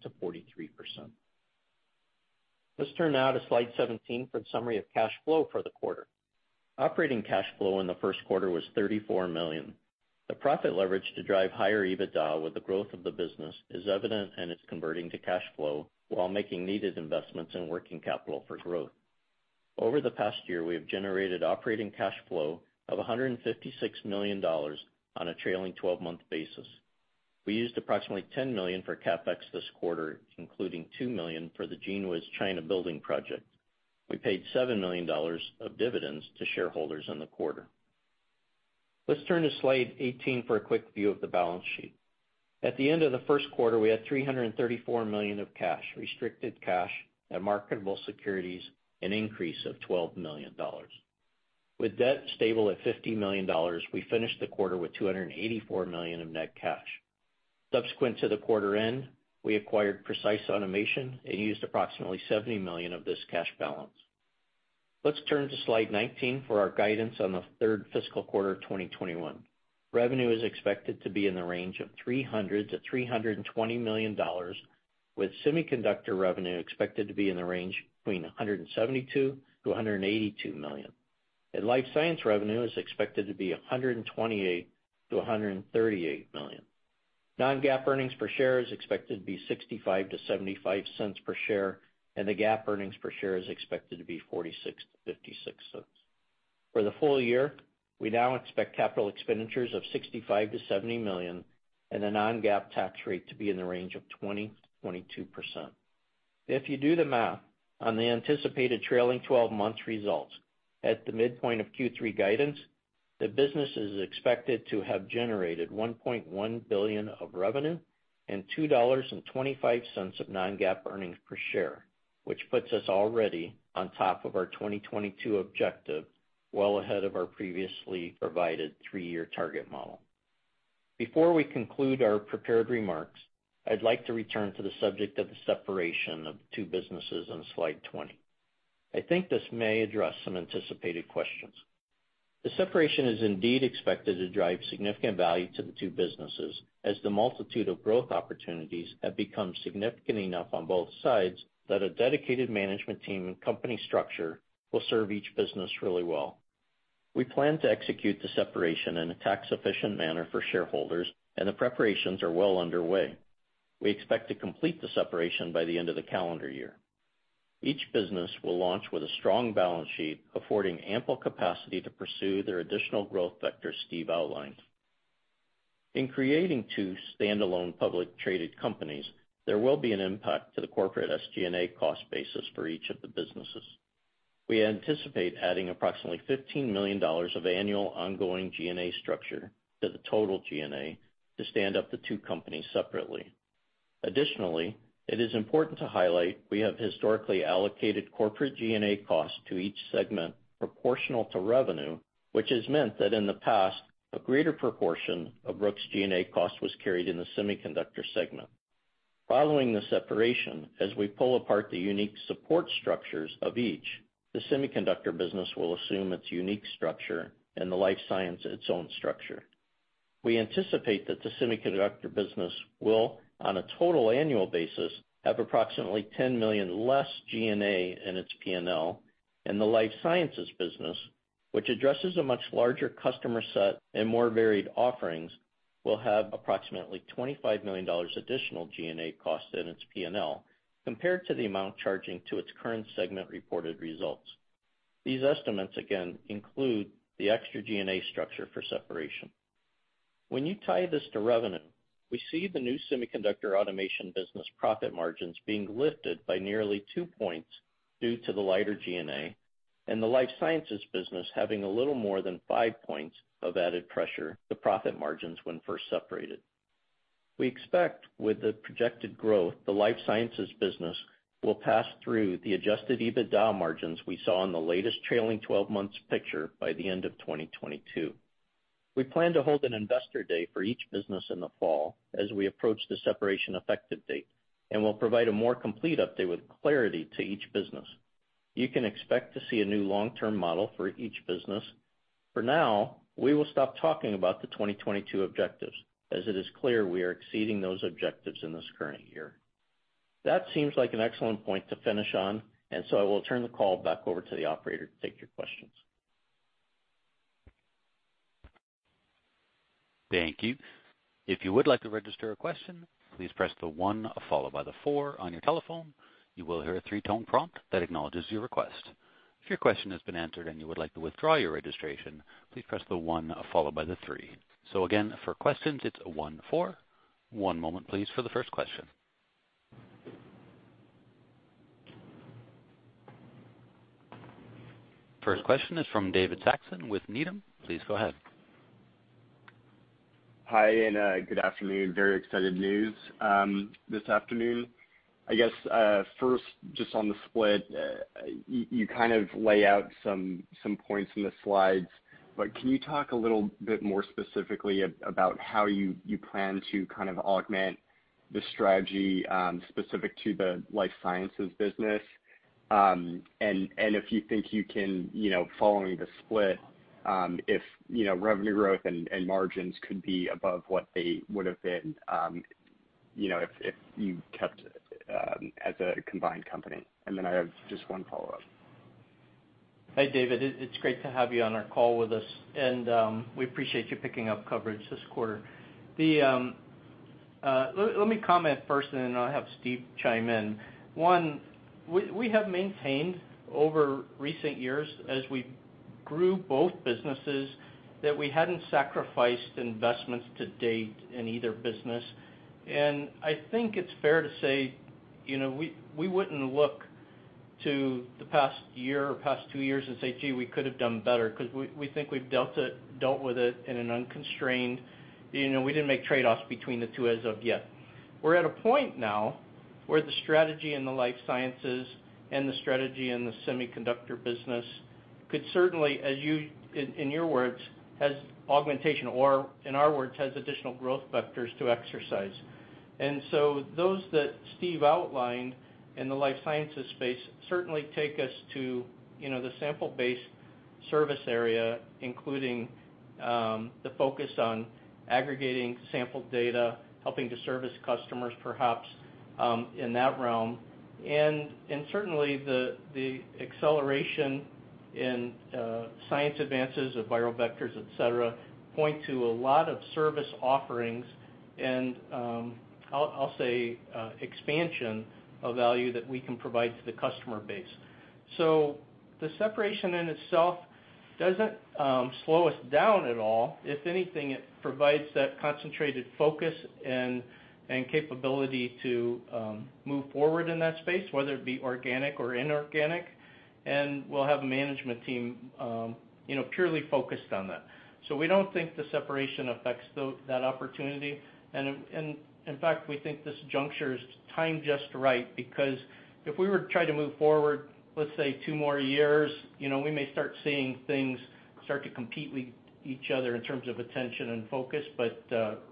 Turn now to slide 17 for the summary of cash flow for the quarter. Operating cash flow in the first quarter was $34 million. The profit leverage to drive higher EBITDA with the growth of the business is evident, it's converting to cash flow while making needed investments in working capital for growth. Over the past year, we have generated operating cash flow of $156 million on a trailing 12-month basis. We used approximately $10 million for CapEx this quarter, including $2 million for the GENEWIZ China building project. We paid $7 million of dividends to shareholders in the quarter. Turn to slide 18 for a quick view of the balance sheet. At the end of the first quarter, we had $334 million of cash, restricted cash, and marketable securities, an increase of $12 million. With debt stable at $50 million, we finished the quarter with $284 million of net cash. Subsequent to the quarter end, we acquired Precise Automation and used approximately $70 million of this cash balance. Let's turn to slide 19 for our guidance on the third fiscal quarter of 2021. Revenue is expected to be in the range of $300 million-$320 million, with semiconductor revenue expected to be in the range between $172 million-$182 million. Life science revenue is expected to be $128 million-$138 million. Non-GAAP earnings per share is expected to be $0.65-$0.75 per share, and the GAAP earnings per share is expected to be $0.46-$0.56. For the full year, we now expect capital expenditures of $65 million-$70 million and the non-GAAP tax rate to be in the range of 20%-22%. If you do the math on the anticipated trailing 12 months results at the midpoint of Q3 guidance, the business is expected to have generated $1.1 billion of revenue and $2.25 of non-GAAP earnings per share, which puts us already on top of our 2022 objective, well ahead of our previously provided three-year target model. Before we conclude our prepared remarks, I'd like to return to the subject of the separation of the two businesses on slide 20. I think this may address some anticipated questions. The separation is indeed expected to drive significant value to the two businesses, as the multitude of growth opportunities have become significant enough on both sides that a dedicated management team and company structure will serve each business really well. We plan to execute the separation in a tax-efficient manner for shareholders, and the preparations are well underway. We expect to complete the separation by the end of the calendar year. Each business will launch with a strong balance sheet, affording ample capacity to pursue their additional growth vectors Steve outlined. In creating two standalone public traded companies, there will be an impact to the corporate SG&A cost basis for each of the businesses. We anticipate adding approximately $15 million of annual ongoing G&A structure to the total G&A to stand up the two companies separately. Additionally, it is important to highlight, we have historically allocated corporate G&A costs to each segment proportional to revenue, which has meant that in the past, a greater proportion of Brooks G&A cost was carried in the semiconductor segment. Following the separation, as we pull apart the unique support structures of each, the semiconductor business will assume its unique structure and the life science its own structure. We anticipate that the semiconductor business will, on a total annual basis, have approximately $10 million less G&A in its P&L, and the Life Sciences business, which addresses a much larger customer set and more varied offerings, will have approximately $25 million additional G&A costs in its P&L compared to the amount charging to its current segment reported results. These estimates, again, include the extra G&A structure for separation. When you tie this to revenue, we see the new semiconductor automation business profit margins being lifted by nearly two points due to the lighter G&A, and the Life Sciences business having a little more than five points of added pressure to profit margins when first separated. We expect with the projected growth, the Life Sciences business will pass through the adjusted EBITDA margins we saw in the latest trailing 12 months picture by the end of 2022. We plan to hold an investor day for each business in the fall as we approach the separation effective date, and we'll provide a more complete update with clarity to each business. You can expect to see a new long-term model for each business. For now, we will stop talking about the 2022 objectives, as it is clear we are exceeding those objectives in this current year. That seems like an excellent point to finish on, and so I will turn the call back over to the operator to take your questions. Thank you. If you would like to register a question, please press the one followed by the four on your telephone. You will hear a three-tone prompt that acknowledges your request. If your question has been answered and you would like to withdraw your registration, please press the one followed by the three. Again, for questions, it's one, four. One moment, please, for the first question. First question is from David Saxon with Needham. Please go ahead. Hi, good afternoon. Very exciting news this afternoon. I guess, first, just on the split, you kind of lay out some points in the slides. Can you talk a little bit more specifically about how you plan to augment the strategy specific to the Life Sciences business? If you think you can, following the split, if revenue growth and margins could be above what they would have been if you kept as a combined company. I have just one follow-up. Hi, David. It's great to have you on our call with us, and we appreciate you picking up coverage this quarter. Let me comment first, and then I'll have Steve chime in. One, we have maintained over recent years, as we grew both businesses, that we hadn't sacrificed investments to date in either business. I think it's fair to say, we wouldn't look to the past year or past two years and say, "Gee, we could have done better," because we think we've dealt with it in an unconstrained. We didn't make trade-offs between the two as of yet. We're at a point now where the strategy in the Life Sciences and the strategy in the semiconductor business could certainly, in your words, has augmentation, or in our words, has additional growth vectors to exercise. Those that Steve outlined in the Life Sciences space certainly take us to the sample base service area, including the focus on aggregating sample data, helping to service customers, perhaps, in that realm. Certainly, the acceleration in science advances of viral vectors, et cetera, point to a lot of service offerings, and I'll say expansion of value that we can provide to the customer base. The separation in itself doesn't slow us down at all. If anything, it provides that concentrated focus and capability to move forward in that space, whether it be organic or inorganic, and we'll have a management team purely focused on that. We don't think the separation affects that opportunity. In fact, we think this juncture is timed just right, because if we were to try to move forward, let's say two more years, we may start seeing things start to compete with each other in terms of attention and focus.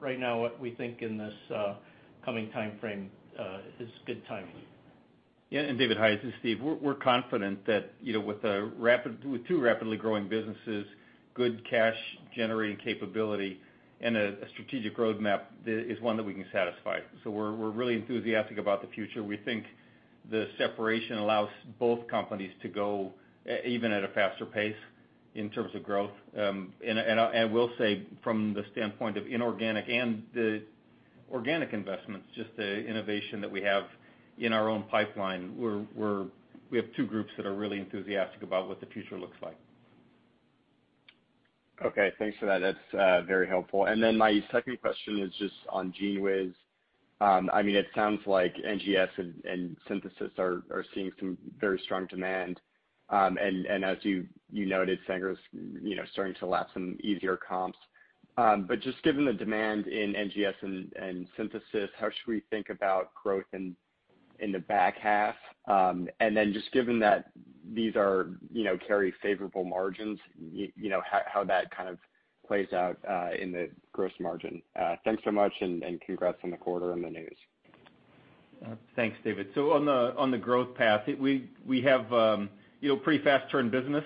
Right now, what we think in this coming timeframe is good timing. David, hi, this is Steve. We're confident that with two rapidly growing businesses, good cash generating capability, and a strategic roadmap is one that we can satisfy. We're really enthusiastic about the future. We think the separation allows both companies to go even at a faster pace in terms of growth. I will say from the standpoint of inorganic and organic investments, just the innovation that we have in our own pipeline. We have two groups that are really enthusiastic about what the future looks like. Okay, thanks for that. That's very helpful. My second question is just on GENEWIZ. It sounds like NGS and synthesis are seeing some very strong demand. As you noted, Sanger starting to lap some easier comps. Given the demand in NGS and synthesis, how should we think about growth in the back half? Given that these carry favorable margins, how that kind of plays out in the gross margin. Thanks so much, and congrats on the quarter and the news. Thanks, David. On the growth path, we have a pretty fast turn business,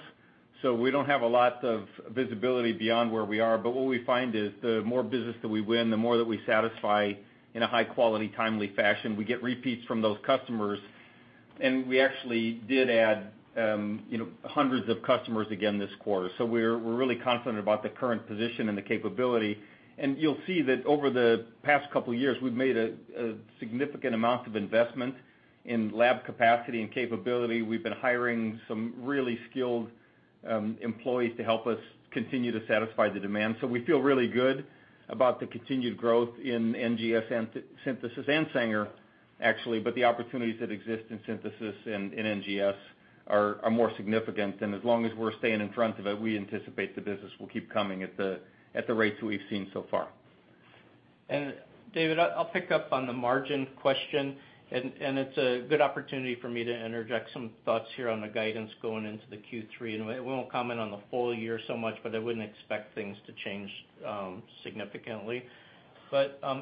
so we don't have a lot of visibility beyond where we are. What we find is the more business that we win, the more that we satisfy in a high quality, timely fashion, we get repeats from those customers. We actually did add hundreds of customers again this quarter. We're really confident about the current position and the capability, and you'll see that over the past couple of years, we've made a significant amount of investment in lab capacity and capability. We've been hiring some really skilled employees to help us continue to satisfy the demand. We feel really good about the continued growth in NGS and synthesis, and Sanger, actually. The opportunities that exist in synthesis and in NGS are more significant. As long as we're staying in front of it, we anticipate the business will keep coming at the rates we've seen so far. David, I'll pick up on the margin question, and it's a good opportunity for me to interject some thoughts here on the guidance going into the Q3. We won't comment on the full year so much, but I wouldn't expect things to change significantly.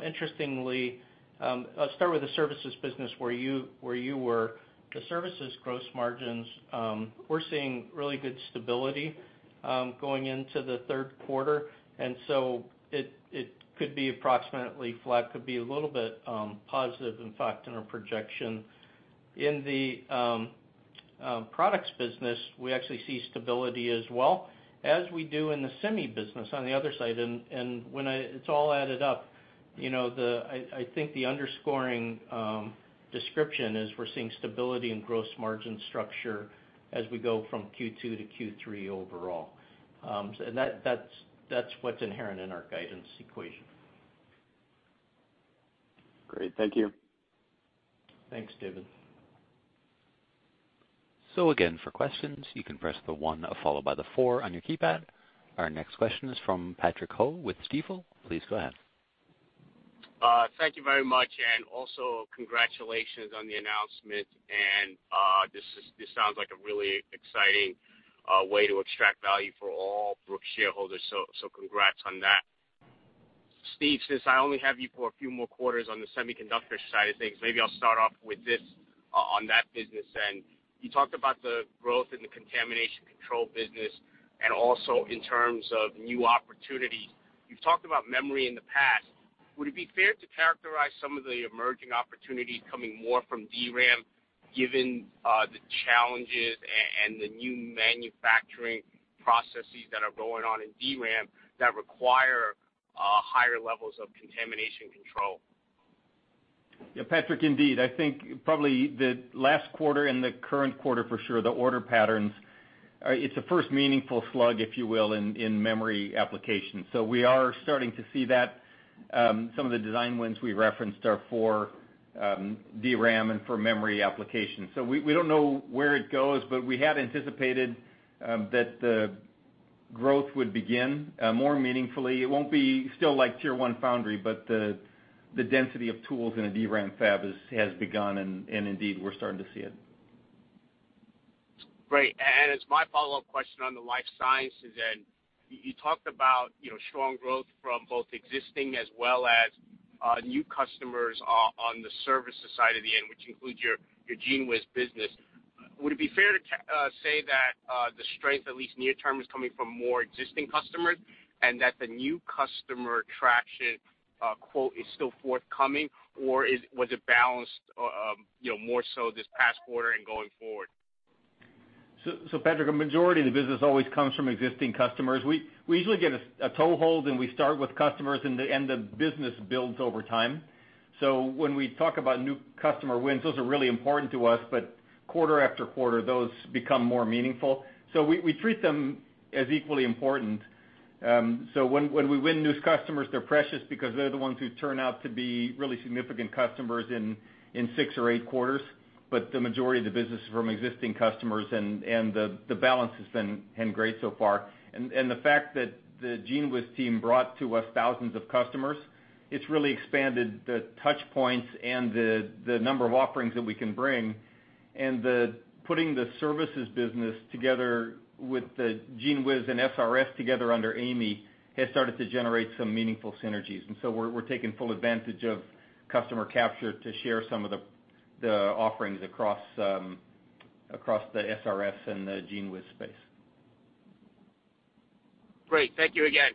Interestingly, I'll start with the services business where you were. The services gross margins, we're seeing really good stability going into the third quarter, and so it could be approximately flat, could be a little bit positive, in fact, in our projection. In the products business, we actually see stability as well, as we do in the semi business on the other side. When it's all added up, I think the underscoring description is we're seeing stability in gross margin structure as we go from Q2 to Q3 overall. That's what's inherent in our guidance equation. Great. Thank you. Thanks, David. Again, for questions, you can press the one followed by the four on your keypad. Our next question is from Patrick Ho with Stifel. Please go ahead. Thank you very much. Also congratulations on the announcement. This sounds like a really exciting way to extract value for all Brooks shareholders, congrats on that. Steve, since I only have you for a few more quarters on the semiconductor side of things, maybe I'll start off with this on that business end. You talked about the growth in the contamination control business and also in terms of new opportunities. You've talked about memory in the past. Would it be fair to characterize some of the emerging opportunities coming more from DRAM, given the challenges and the new manufacturing processes that are going on in DRAM that require higher levels of contamination control? Yeah, Patrick, indeed. I think probably the last quarter and the current quarter for sure, the order patterns, it's a first meaningful slug, if you will, in memory applications. We are starting to see that some of the design wins we referenced are for DRAM and for memory applications. We don't know where it goes, but we had anticipated that the growth would begin more meaningfully. It won't be still like Tier 1 Foundry, but the density of tools in a DRAM fab has begun, and indeed, we're starting to see it. Great. As my follow-up question on the Life Sciences, you talked about strong growth from both existing as well as new customers on the services side of the end, which includes your GENEWIZ business, would it be fair to say that the strength, at least near term, is coming from more existing customers and that the new customer traction quote is still forthcoming? Was it balanced more so this past quarter and going forward? Patrick, a majority of the business always comes from existing customers. We usually get a toehold, and we start with customers, and the business builds over time. When we talk about new customer wins, those are really important to us, but quarter after quarter, those become more meaningful. We treat them as equally important. When we win new customers, they're precious because they're the ones who turn out to be really significant customers in six or eight quarters. The majority of the business is from existing customers, and the balance has been great so far. The fact that the GENEWIZ team brought to us thousands of customers, it's really expanded the touch points and the number of offerings that we can bring. Putting the services business together with the GENEWIZ and SRS together under Amy has started to generate some meaningful synergies. We're taking full advantage of customer capture to share some of the offerings across the SRS and the GENEWIZ space. Great. Thank you again.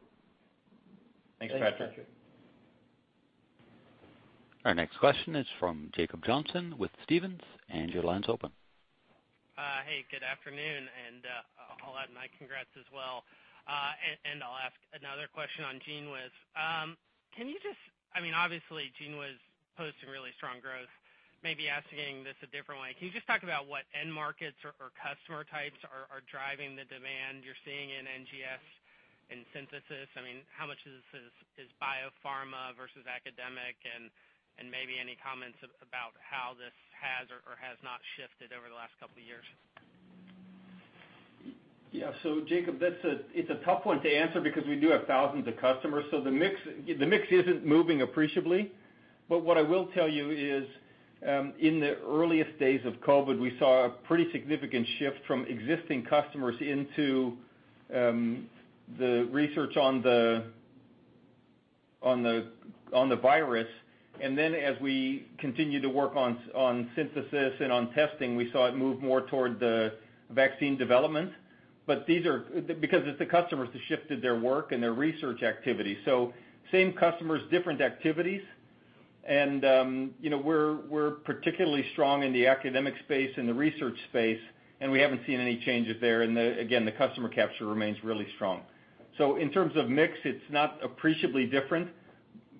Thanks, Patrick. Thanks, Patrick. Our next question is from Jacob Johnson with Stephens, and your line's open. Hey, good afternoon, I'll add my congrats as well. I'll ask another question on GENEWIZ. Obviously, GENEWIZ posted really strong growth, maybe asking this a different way. Can you just talk about what end markets or customer types are driving the demand you're seeing in NGS and synthesis? How much of this is biopharma versus academic? Maybe any comments about how this has or has not shifted over the last couple of years. Jacob, it's a tough one to answer because we do have thousands of customers. The mix isn't moving appreciably. What I will tell you is, in the earliest days of COVID, we saw a pretty significant shift from existing customers into the research on the virus. As we continued to work on synthesis and on testing, we saw it move more toward the vaccine development, because it's the customers that shifted their work and their research activity. Same customers, different activities. We're particularly strong in the academic space and the research space, and we haven't seen any changes there. Again, the customer capture remains really strong. In terms of mix, it's not appreciably different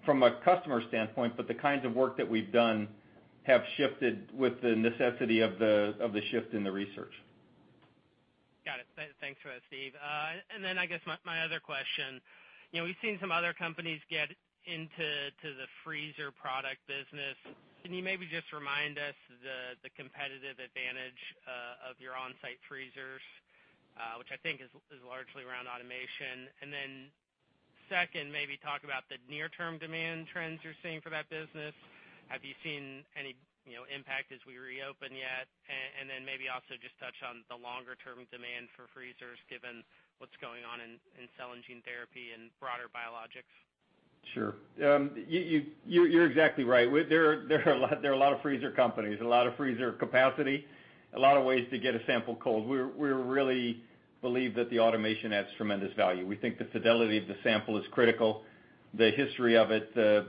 from a customer standpoint, but the kinds of work that we've done have shifted with the necessity of the shift in the research. Got it. Thanks for that, Steve. I guess my other question, we've seen some other companies get into the freezer product business. Can you maybe just remind us the competitive advantage of your on-site freezers, which I think is largely around automation. Second, maybe talk about the near-term demand trends you're seeing for that business. Have you seen any impact as we reopen yet? Maybe also just touch on the longer-term demand for freezers, given what's going on in cell and gene therapy and broader biologics. Sure. You're exactly right. There are a lot of freezer companies, a lot of freezer capacity, a lot of ways to get a sample cold. We really believe that the automation adds tremendous value. We think the fidelity of the sample is critical, the history of it, the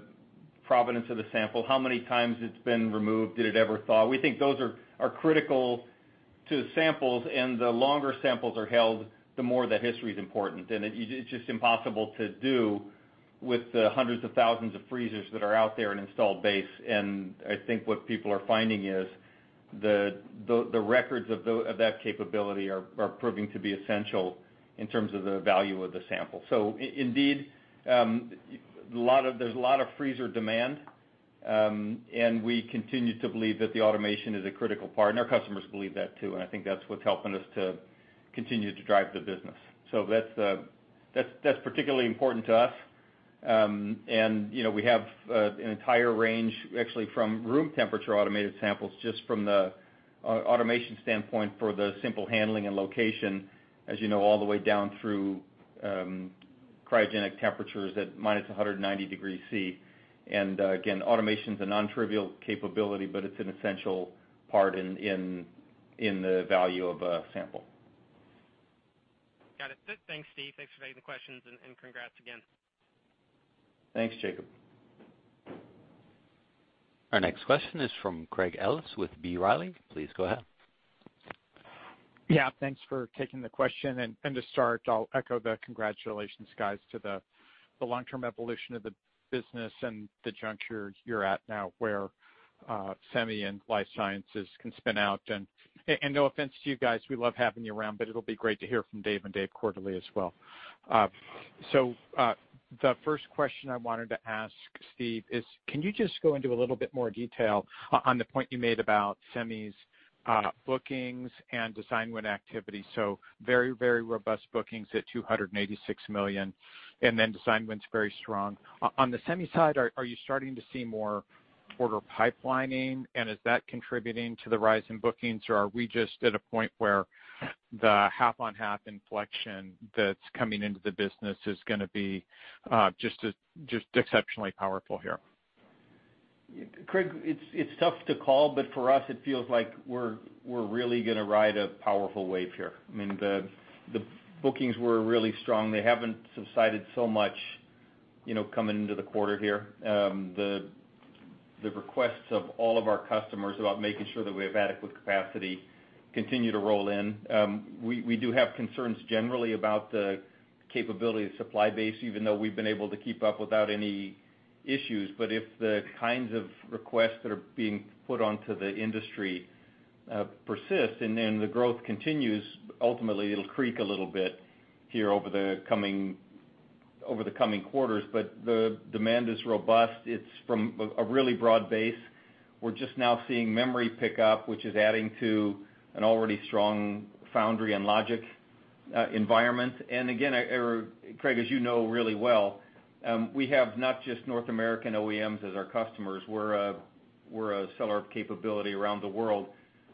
providence of the sample, how many times it's been removed. Did it ever thaw? We think those are critical to the samples, and the longer samples are held, the more the history's important. It's just impossible to do with the hundreds of thousands of freezers that are out there in installed base. I think what people are finding is the records of that capability are proving to be essential in terms of the value of the sample. Indeed, there's a lot of freezer demand. We continue to believe that the automation is a critical part, and our customers believe that too. I think that's what's helping us to continue to drive the business. That's particularly important to us. We have an entire range actually from room temperature automated samples, just from the automation standpoint for the simple handling and location, as you know, all the way down through cryogenic temperatures at -190 degrees C. Again, automation's a nontrivial capability, but it's an essential part in the value of a sample. Got it. Thanks, Steve. Thanks for taking the questions and congrats again. Thanks, Jacob. Our next question is from Craig Ellis with B. Riley. Please go ahead. Yeah. Thanks for taking the question. To start, I'll echo the congratulations, guys, to the long-term evolution of the business and the juncture you're at now where Semi and Life Sciences can spin out. No offense to you guys, we love having you around, but it'll be great to hear from Dave and Dave quarterly as well. The first question I wanted to ask Steve is, can you just go into a little bit more detail on the point you made about Semi's bookings and design win activity? Very robust bookings at $286 million, then design wins very strong. On the Semi side, are you starting to see more order pipelining, and is that contributing to the rise in bookings? Are we just at a point where the half-on-half inflection that's coming into the business is going to be just exceptionally powerful here? Craig, it's tough to call, but for us, it feels like we're really going to ride a powerful wave here. The bookings were really strong. They haven't subsided so much, coming into the quarter here. The requests of all of our customers about making sure that we have adequate capacity continue to roll in. We do have concerns generally about the capability of the supply base, even though we've been able to keep up without any issues. If the kinds of requests that are being put onto the industry persist, the growth continues, ultimately, it'll creak a little bit here over the coming quarters. The demand is robust. It's from a really broad base. We're just now seeing memory pick up, which is adding to an already strong foundry and logic environment. Again, Craig, as you know really well, we have not just North American OEMs as our customers. We're a seller of capability around the world.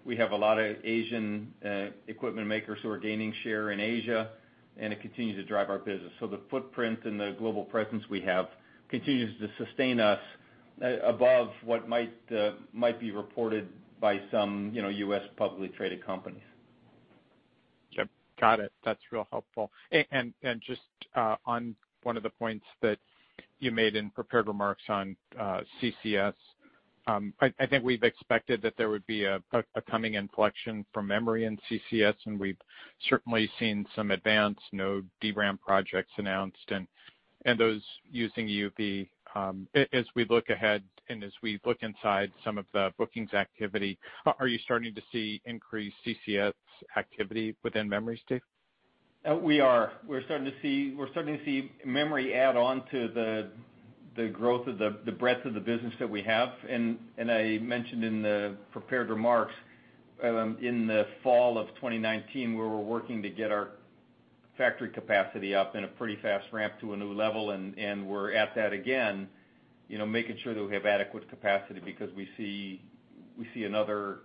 We have a lot of Asian equipment makers who are gaining share in Asia, and it continues to drive our business. The footprint and the global presence we have continues to sustain us above what might be reported by some U.S. publicly traded companies. Yep. Got it. That's real helpful. Just on one of the points that you made in prepared remarks on CCS, I think we've expected that there would be a coming inflection from memory and CCS, and we've certainly seen some advance node DRAM projects announced, and those using EUV. As we look ahead, and as we look inside some of the bookings activity, are you starting to see increased CCS activity within memories, too? We are. We're starting to see memory add on to the breadth of the business that we have. I mentioned in the prepared remarks, in the fall of 2019, where we're working to get our factory capacity up in a pretty fast ramp to a new level, and we're at that again, making sure that we have adequate capacity because we see another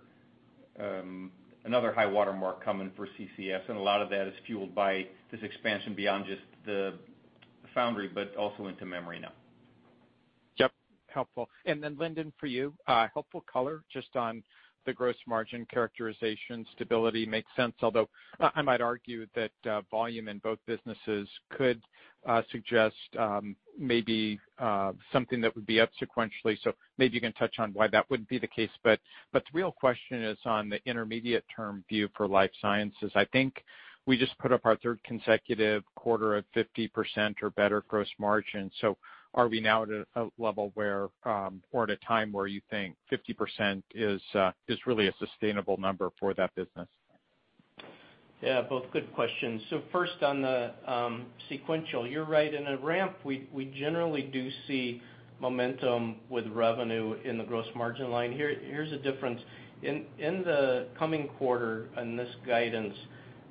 high water mark coming for CCS, and a lot of that is fueled by this expansion beyond just the foundry, but also into memory now. Yep. Helpful. Lindon, for you, helpful color just on the gross margin characterization. Stability makes sense, although I might argue that volume in both businesses could suggest maybe something that would be up sequentially. Maybe you can touch on why that wouldn't be the case. The real question is on the intermediate term view for Life Sciences. I think we just put up our third consecutive quarter of 50% or better gross margin. Are we now at a level where, or at a time where you think 50% is really a sustainable number for that business? Yeah, both good questions. First on the sequential. You're right. In a ramp, we generally do see momentum with revenue in the gross margin line. Here's a difference. In the coming quarter, in this guidance,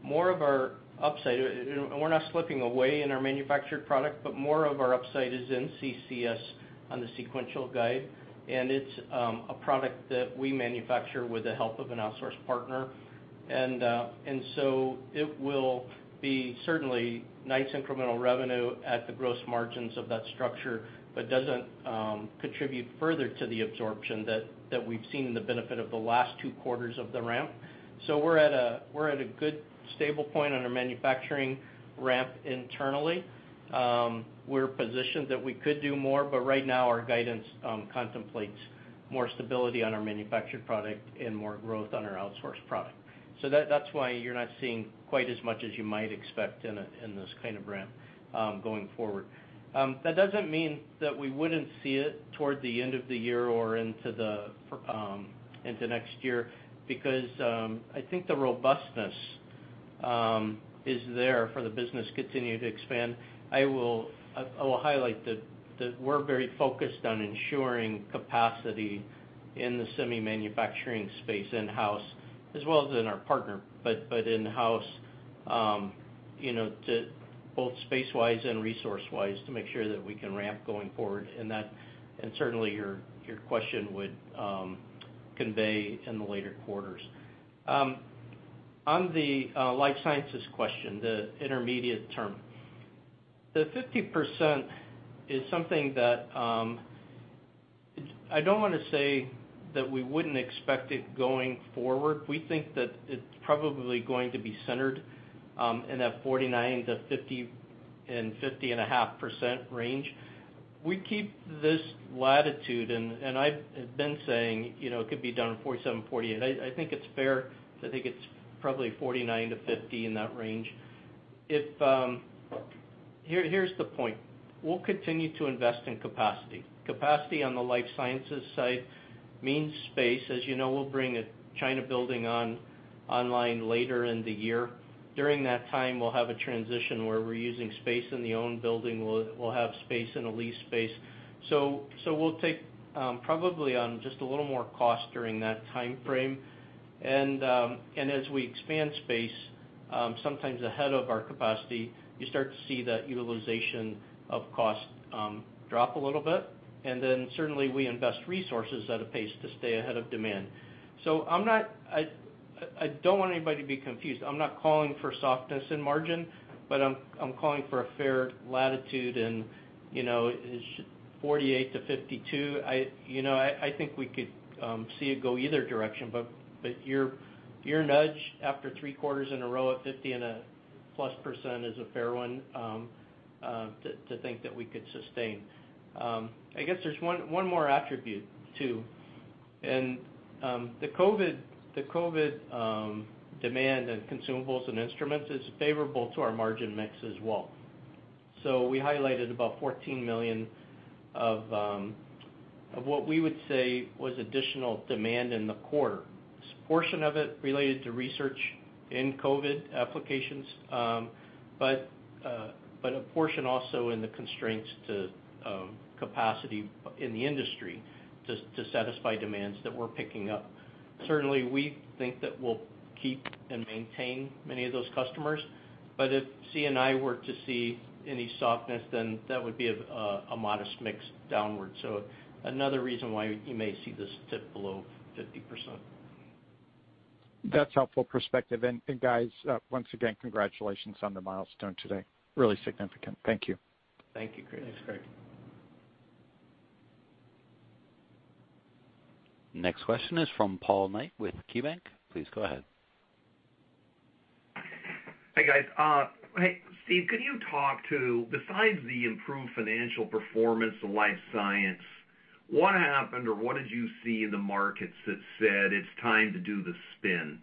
more of our upside, we're not slipping away in our manufactured product, but more of our upside is in CCS on the sequential guide, and it's a product that we manufacture with the help of an outsourced partner. It will be certainly nice incremental revenue at the gross margins of that structure, but doesn't contribute further to the absorption that we've seen in the benefit of the last two quarters of the ramp. We're at a good, stable point on our manufacturing ramp internally. We're positioned that we could do more, but right now our guidance contemplates more stability on our manufactured product and more growth on our outsourced product. That's why you're not seeing quite as much as you might expect in this kind of ramp, going forward. That doesn't mean that we wouldn't see it toward the end of the year or into next year, because I think the robustness is there for the business to continue to expand. I will highlight that we're very focused on ensuring capacity in the semi manufacturing space in-house as well as in our partner, but in-house, both space-wise and resource-wise, to make sure that we can ramp going forward, and certainly your question would convey in the later quarters. On the Life Sciences question, the intermediate term, the 50% is something that I don't want to say that we wouldn't expect it going forward. We think that it's probably going to be centered in that 49%-50% and 50.5% range. We keep this latitude. I've been saying it could be done in 47, 48. I think it's fair to think it's probably 49-50, in that range. Here's the point. We'll continue to invest in capacity. Capacity on the Life Sciences side means space. As you know, we'll bring a China building online later in the year. During that time, we'll have a transition where we're using space in the owned building. We'll have space in a lease space. We'll take probably on just a little more cost during that timeframe. As we expand space, sometimes ahead of our capacity, you start to see that utilization of cost drop a little bit, then certainly we invest resources at a pace to stay ahead of demand. I don't want anybody to be confused. I'm not calling for softness in margin, but I'm calling for a fair latitude, and 48-52, I think we could see it go either direction, but your nudge after three quarters in a row of 50% and a plus is a fair one to think that we could sustain. I guess there's one more attribute, too. The COVID demand and consumables and instruments is favorable to our margin mix as well. We highlighted about $14 million of what we would say was additional demand in the quarter. A portion of it related to research in COVID applications, but a portion also in the constraints to capacity in the industry to satisfy demands that we're picking up. Certainly, we think that we'll keep and maintain many of those customers, but if C&I were to see any softness, then that would be a modest mix downward. Another reason why you may see this tip below 50%. That's helpful perspective. Guys, once again, congratulations on the milestone today. Really significant. Thank you. Thank you, Craig. Thanks, Craig. Next question is from Paul Knight with KeyBanc. Please go ahead. Hey, guys. Hey, Steve, could you talk to, besides the improved financial performance of life science, what happened or what did you see in the markets that said it's time to do the spin?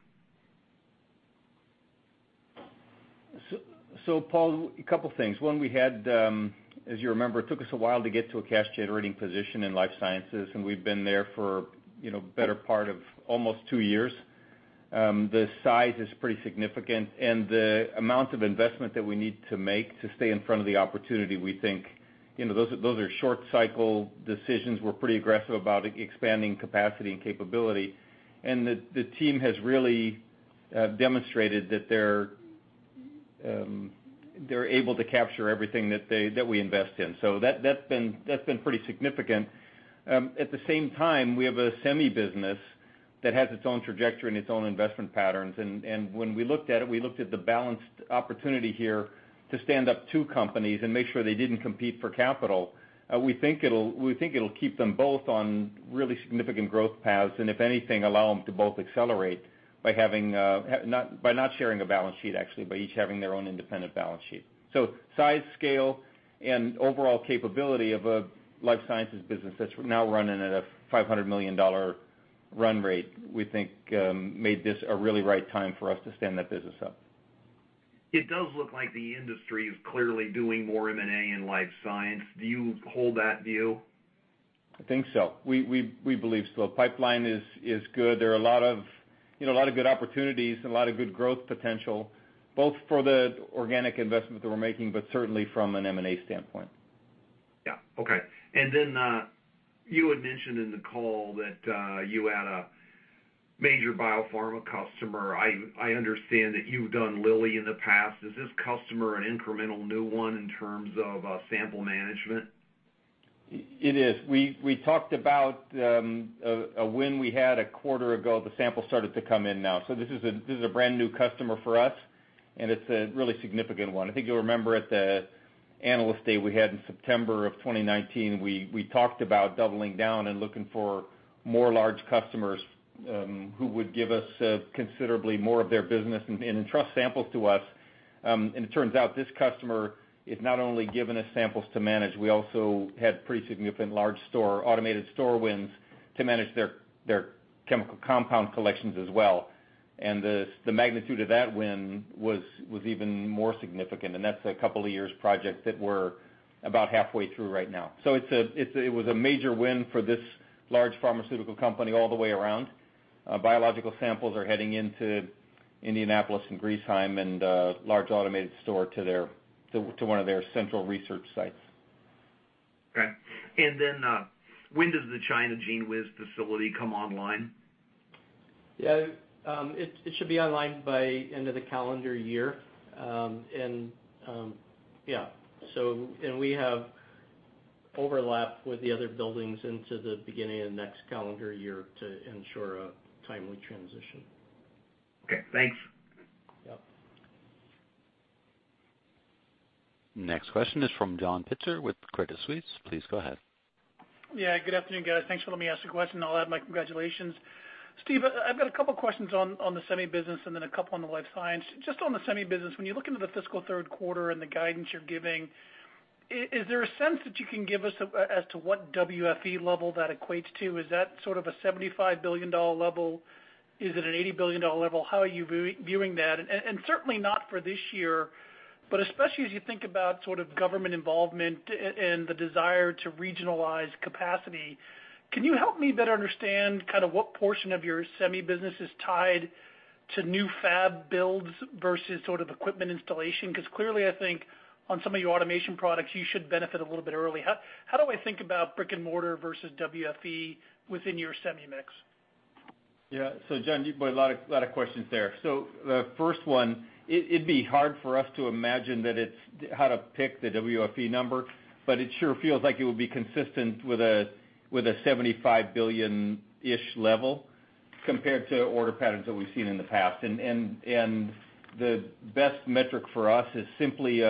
Paul, a couple things. One, as you remember, it took us a while to get to a cash-generating position in Life Sciences, and we've been there for better part of almost two years. The size is pretty significant, and the amount of investment that we need to make to stay in front of the opportunity, we think, those are short cycle decisions. We're pretty aggressive about expanding capacity and capability. The team has really demonstrated that they're able to capture everything that we invest in. That's been pretty significant. At the same time, we have a semi business that has its own trajectory and its own investment patterns, and when we looked at it, we looked at the balanced opportunity here to stand up two companies and make sure they didn't compete for capital. We think it'll keep them both on really significant growth paths, and if anything, allow them to both accelerate by not sharing a balance sheet, actually, by each having their own independent balance sheet. Size, scale, and overall capability of a Life Sciences business that's now running at a $500 million run rate, we think made this a really right time for us to stand that business up. It does look like the industry is clearly doing more M&A in life science. Do you hold that view? I think so. We believe so. Pipeline is good. There are a lot of good opportunities and a lot of good growth potential, both for the organic investment that we're making, but certainly from an M&A standpoint. Yeah. Okay. You had mentioned in the call that you had a major biopharma customer. I understand that you've done Lilly in the past. Is this customer an incremental new one in terms of sample management? It is. We talked about a win we had a quarter ago. The samples started to come in now. This is a brand-new customer for us, and it's a really significant one. I think you'll remember at the Analyst Day we had in September of 2019, we talked about doubling down and looking for more large customers who would give us considerably more of their business and entrust samples to us. It turns out this customer is not only giving us samples to manage, we also had pretty significant large store, automated store wins to manage their chemical compound collections as well. The magnitude of that win was even more significant. That's a couple of years project that we're about halfway through right now. It was a major win for this large pharmaceutical company all the way around. Biological samples are heading into Indianapolis and Griesheim and a large automated store to one of their central research sites. Okay. When does the China GENEWIZ facility come online? Yeah. It should be online by end of the calendar year. And, yeah. We have overlap with the other buildings into the beginning of next calendar year to ensure a timely transition. Okay, thanks. Yep. Next question is from John Pitzer with Credit Suisse. Please go ahead. Yeah, good afternoon, guys. Thanks for letting me ask a question. I'll add my congratulations. Steve, I've got a couple questions on the semi business and then a couple on the life science. Just on the semi business, when you look into the fiscal third quarter and the guidance you're giving, is there a sense that you can give us as to what WFE level that equates to? Is that sort of a $75 billion level? Is it an $80 billion level? How are you viewing that? Certainly not for this year, but especially as you think about sort of government involvement and the desire to regionalize capacity, can you help me better understand kind of what portion of your semi business is tied to new fab builds versus sort of equipment installation? Clearly, I think, on some of your automation products, you should benefit a little bit early. How do I think about brick-and-mortar versus WFE within your semi mix? Yeah. John, you've got a lot of questions there. The first one, it'd be hard for us to imagine how to pick the WFE number, but it sure feels like it would be consistent with a 75 billion-ish level compared to order patterns that we've seen in the past. The best metric for us is simply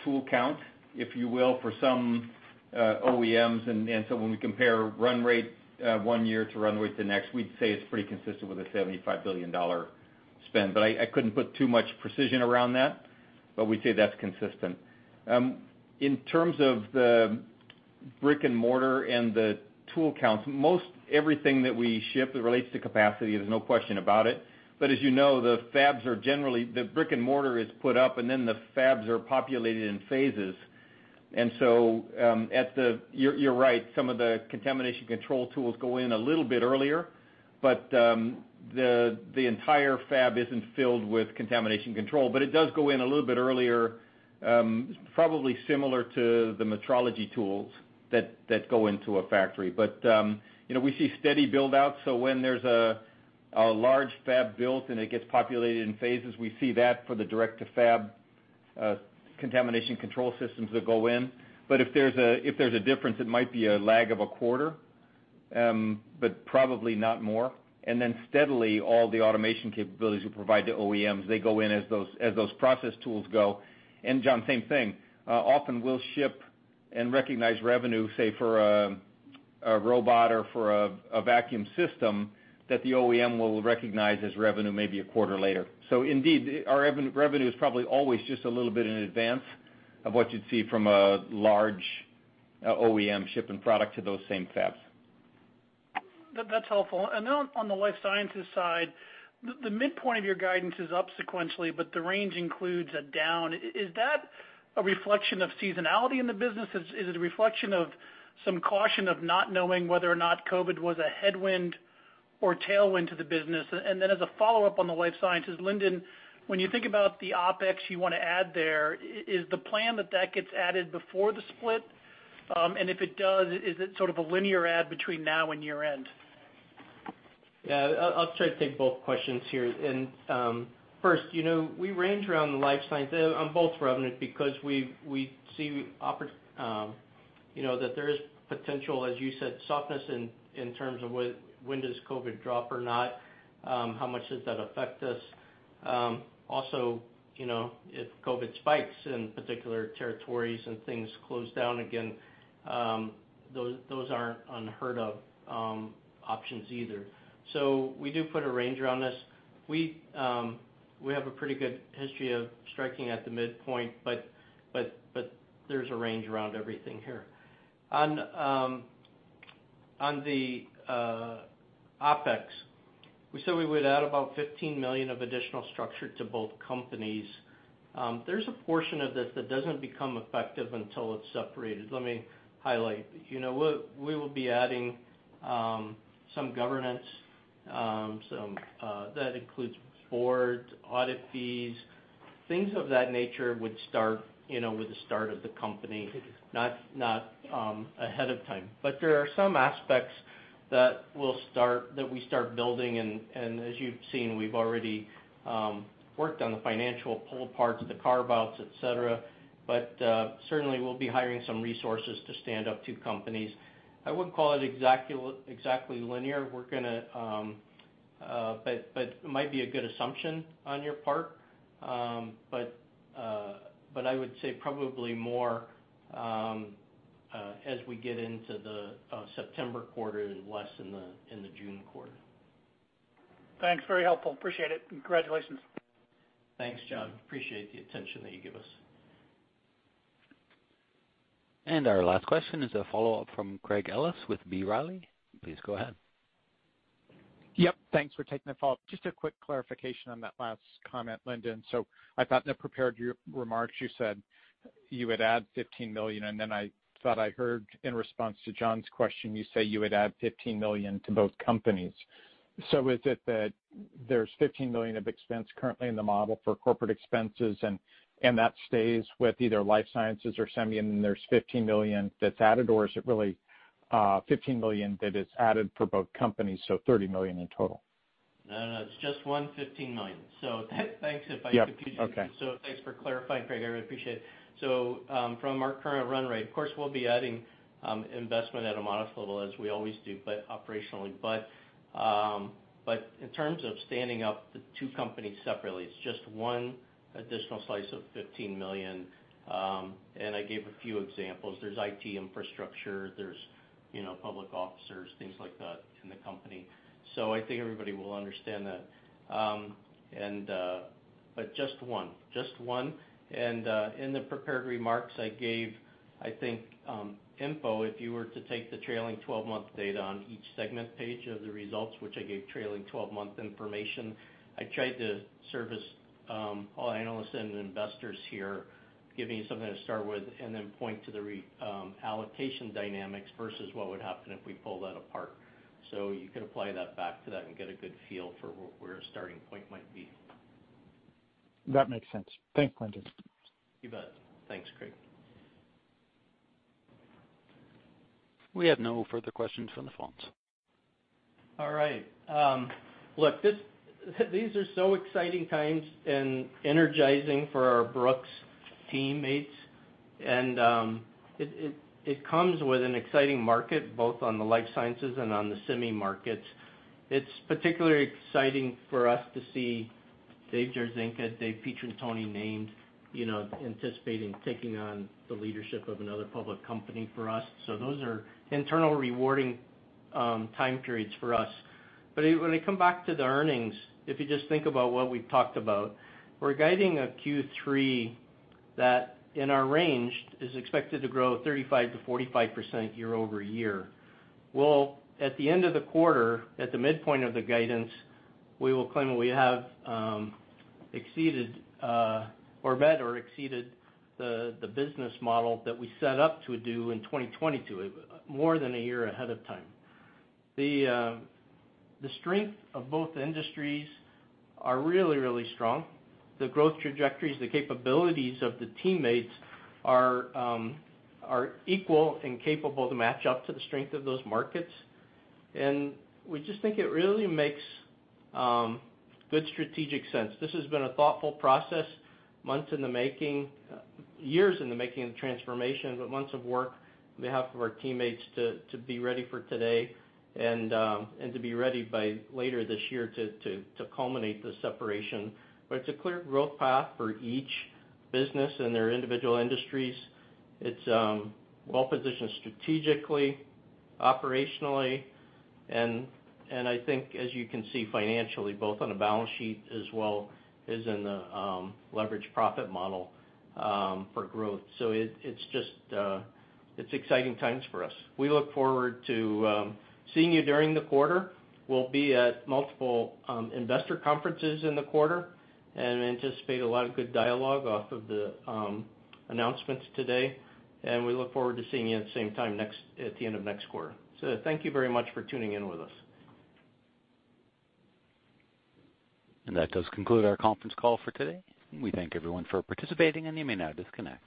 a tool count, if you will, for some OEMs. When we compare run rate one year to run rate the next, we'd say it's pretty consistent with a $75 billion spend. I couldn't put too much precision around that, but we'd say that's consistent. In terms of the brick-and-mortar and the tool counts, most everything that we ship that relates to capacity, there's no question about it. As you know, the brick-and-mortar is put up, and then the fabs are populated in phases. You're right, some of the contamination control tools go in a little bit earlier, but the entire fab isn't filled with contamination control. It does go in a little bit earlier, probably similar to the metrology tools that go into a factory. We see steady build-out, so when there's a large fab built and it gets populated in phases, we see that for the direct-to-fab contamination control systems that go in. If there's a difference, it might be a lag of a quarter, but probably not more. Steadily, all the automation capabilities we provide to OEMs, they go in as those process tools go. John, same thing. Often we'll ship and recognize revenue, say, for a A robot or for a vacuum system that the OEM will recognize as revenue maybe a quarter later. Indeed, our revenue is probably always just a little bit in advance of what you'd see from a large OEM shipping product to those same fabs. That's helpful. Then on the Life Sciences side, the midpoint of your guidance is up sequentially, but the range includes a down. Is that a reflection of seasonality in the business? Is it a reflection of some caution of not knowing whether or not COVID was a headwind or tailwind to the business? Then as a follow-up on the Life Sciences, Lindon, when you think about the OpEx you want to add there, is the plan that that gets added before the split? If it does, is it sort of a linear add between now and year-end? Yeah. I'll try to take both questions here. First, we range around the life science on both revenue because we see that there is potential, as you said, softness in terms of when does COVID drop or not, how much does that affect us. Also, if COVID spikes in particular territories and things close down again, those aren't unheard of options either. We do put a range around this. We have a pretty good history of striking at the midpoint, but there's a range around everything here. On the OpEx, we said we would add about $15 million of additional structure to both companies. There's a portion of this that doesn't become effective until it's separated. Let me highlight. We will be adding some governance. That includes boards, audit fees. Things of that nature would start with the start of the company, not ahead of time. There are some aspects that we start building, and as you've seen, we've already worked on the financial pull parts of the carve-outs, et cetera. Certainly, we'll be hiring some resources to stand up two companies. I wouldn't call it exactly linear. It might be a good assumption on your part. I would say probably more as we get into the September quarter and less in the June quarter. Thanks. Very helpful. Appreciate it. Congratulations. Thanks, John. Appreciate the attention that you give us. Our last question is a follow-up from Craig Ellis with B. Riley. Please go ahead. Yep. Thanks for taking the follow-up. Just a quick clarification on that last comment, Lindon. I thought in the prepared remarks, you said you would add $15 million, and then I thought I heard in response to John's question, you say you would add $15 million to both companies. Is it that there's $15 million of expense currently in the model for corporate expenses, and that stays with either Life Sciences or Semi, and then there's $15 million that's added, or is it really $15 million that is added for both companies, so $30 million in total? No, it's just one $15 million. Thanks. If I confused you. Yep. Okay. Thanks for clarifying, Craig. I really appreciate it. From our current run rate, of course, we'll be adding investment at a modest level as we always do, operationally. In terms of standing up the two companies separately, it's just one additional slice of $15 million. I gave a few examples. There's IT infrastructure, there's public officers, things like that in the company. I think everybody will understand that. Just one. In the prepared remarks I gave, I think, info, if you were to take the trailing 12-month data on each segment page of the results, which I gave trailing 12-month information, I tried to service all analysts and investors here, giving you something to start with, and then point to the allocation dynamics versus what would happen if we pull that apart. You could apply that back to that and get a good feel for where a starting point might be. That makes sense. Thanks, Lindon. You bet. Thanks, Craig. We have no further questions from the phones. All right. Look, these are so exciting times. Energizing for our Brooks teammates, it comes with an exciting market, both on the Life Sciences and on the Semi markets. It's particularly exciting for us to see Dave Jarzynka, Dave Pietrantoni named, anticipating taking on the leadership of another public company for us. Those are internal rewarding time periods for us. When I come back to the earnings, if you just think about what we've talked about, we're guiding a Q3 that, in our range, is expected to grow 35%-45% year-over-year. Well, at the end of the quarter, at the midpoint of the guidance, we will claim we have exceeded, or met or exceeded, the business model that we set up to do in 2022, more than one year ahead of time. The strength of both the industries are really strong. The growth trajectories, the capabilities of the teammates are equal and capable to match up to the strength of those markets, we just think it really makes good strategic sense. This has been a thoughtful process, months in the making, years in the making of the transformation, months of work on behalf of our teammates to be ready for today and to be ready by later this year to culminate the separation. It's a clear growth path for each business and their individual industries. It's well-positioned strategically, operationally, I think, as you can see, financially, both on a balance sheet as well as in the leveraged profit model for growth. It's exciting times for us. We look forward to seeing you during the quarter. We'll be at multiple investor conferences in the quarter and anticipate a lot of good dialogue off of the announcements today, and we look forward to seeing you at the same time at the end of next quarter. Thank you very much for tuning in with us. That does conclude our conference call for today. We thank everyone for participating, and you may now disconnect.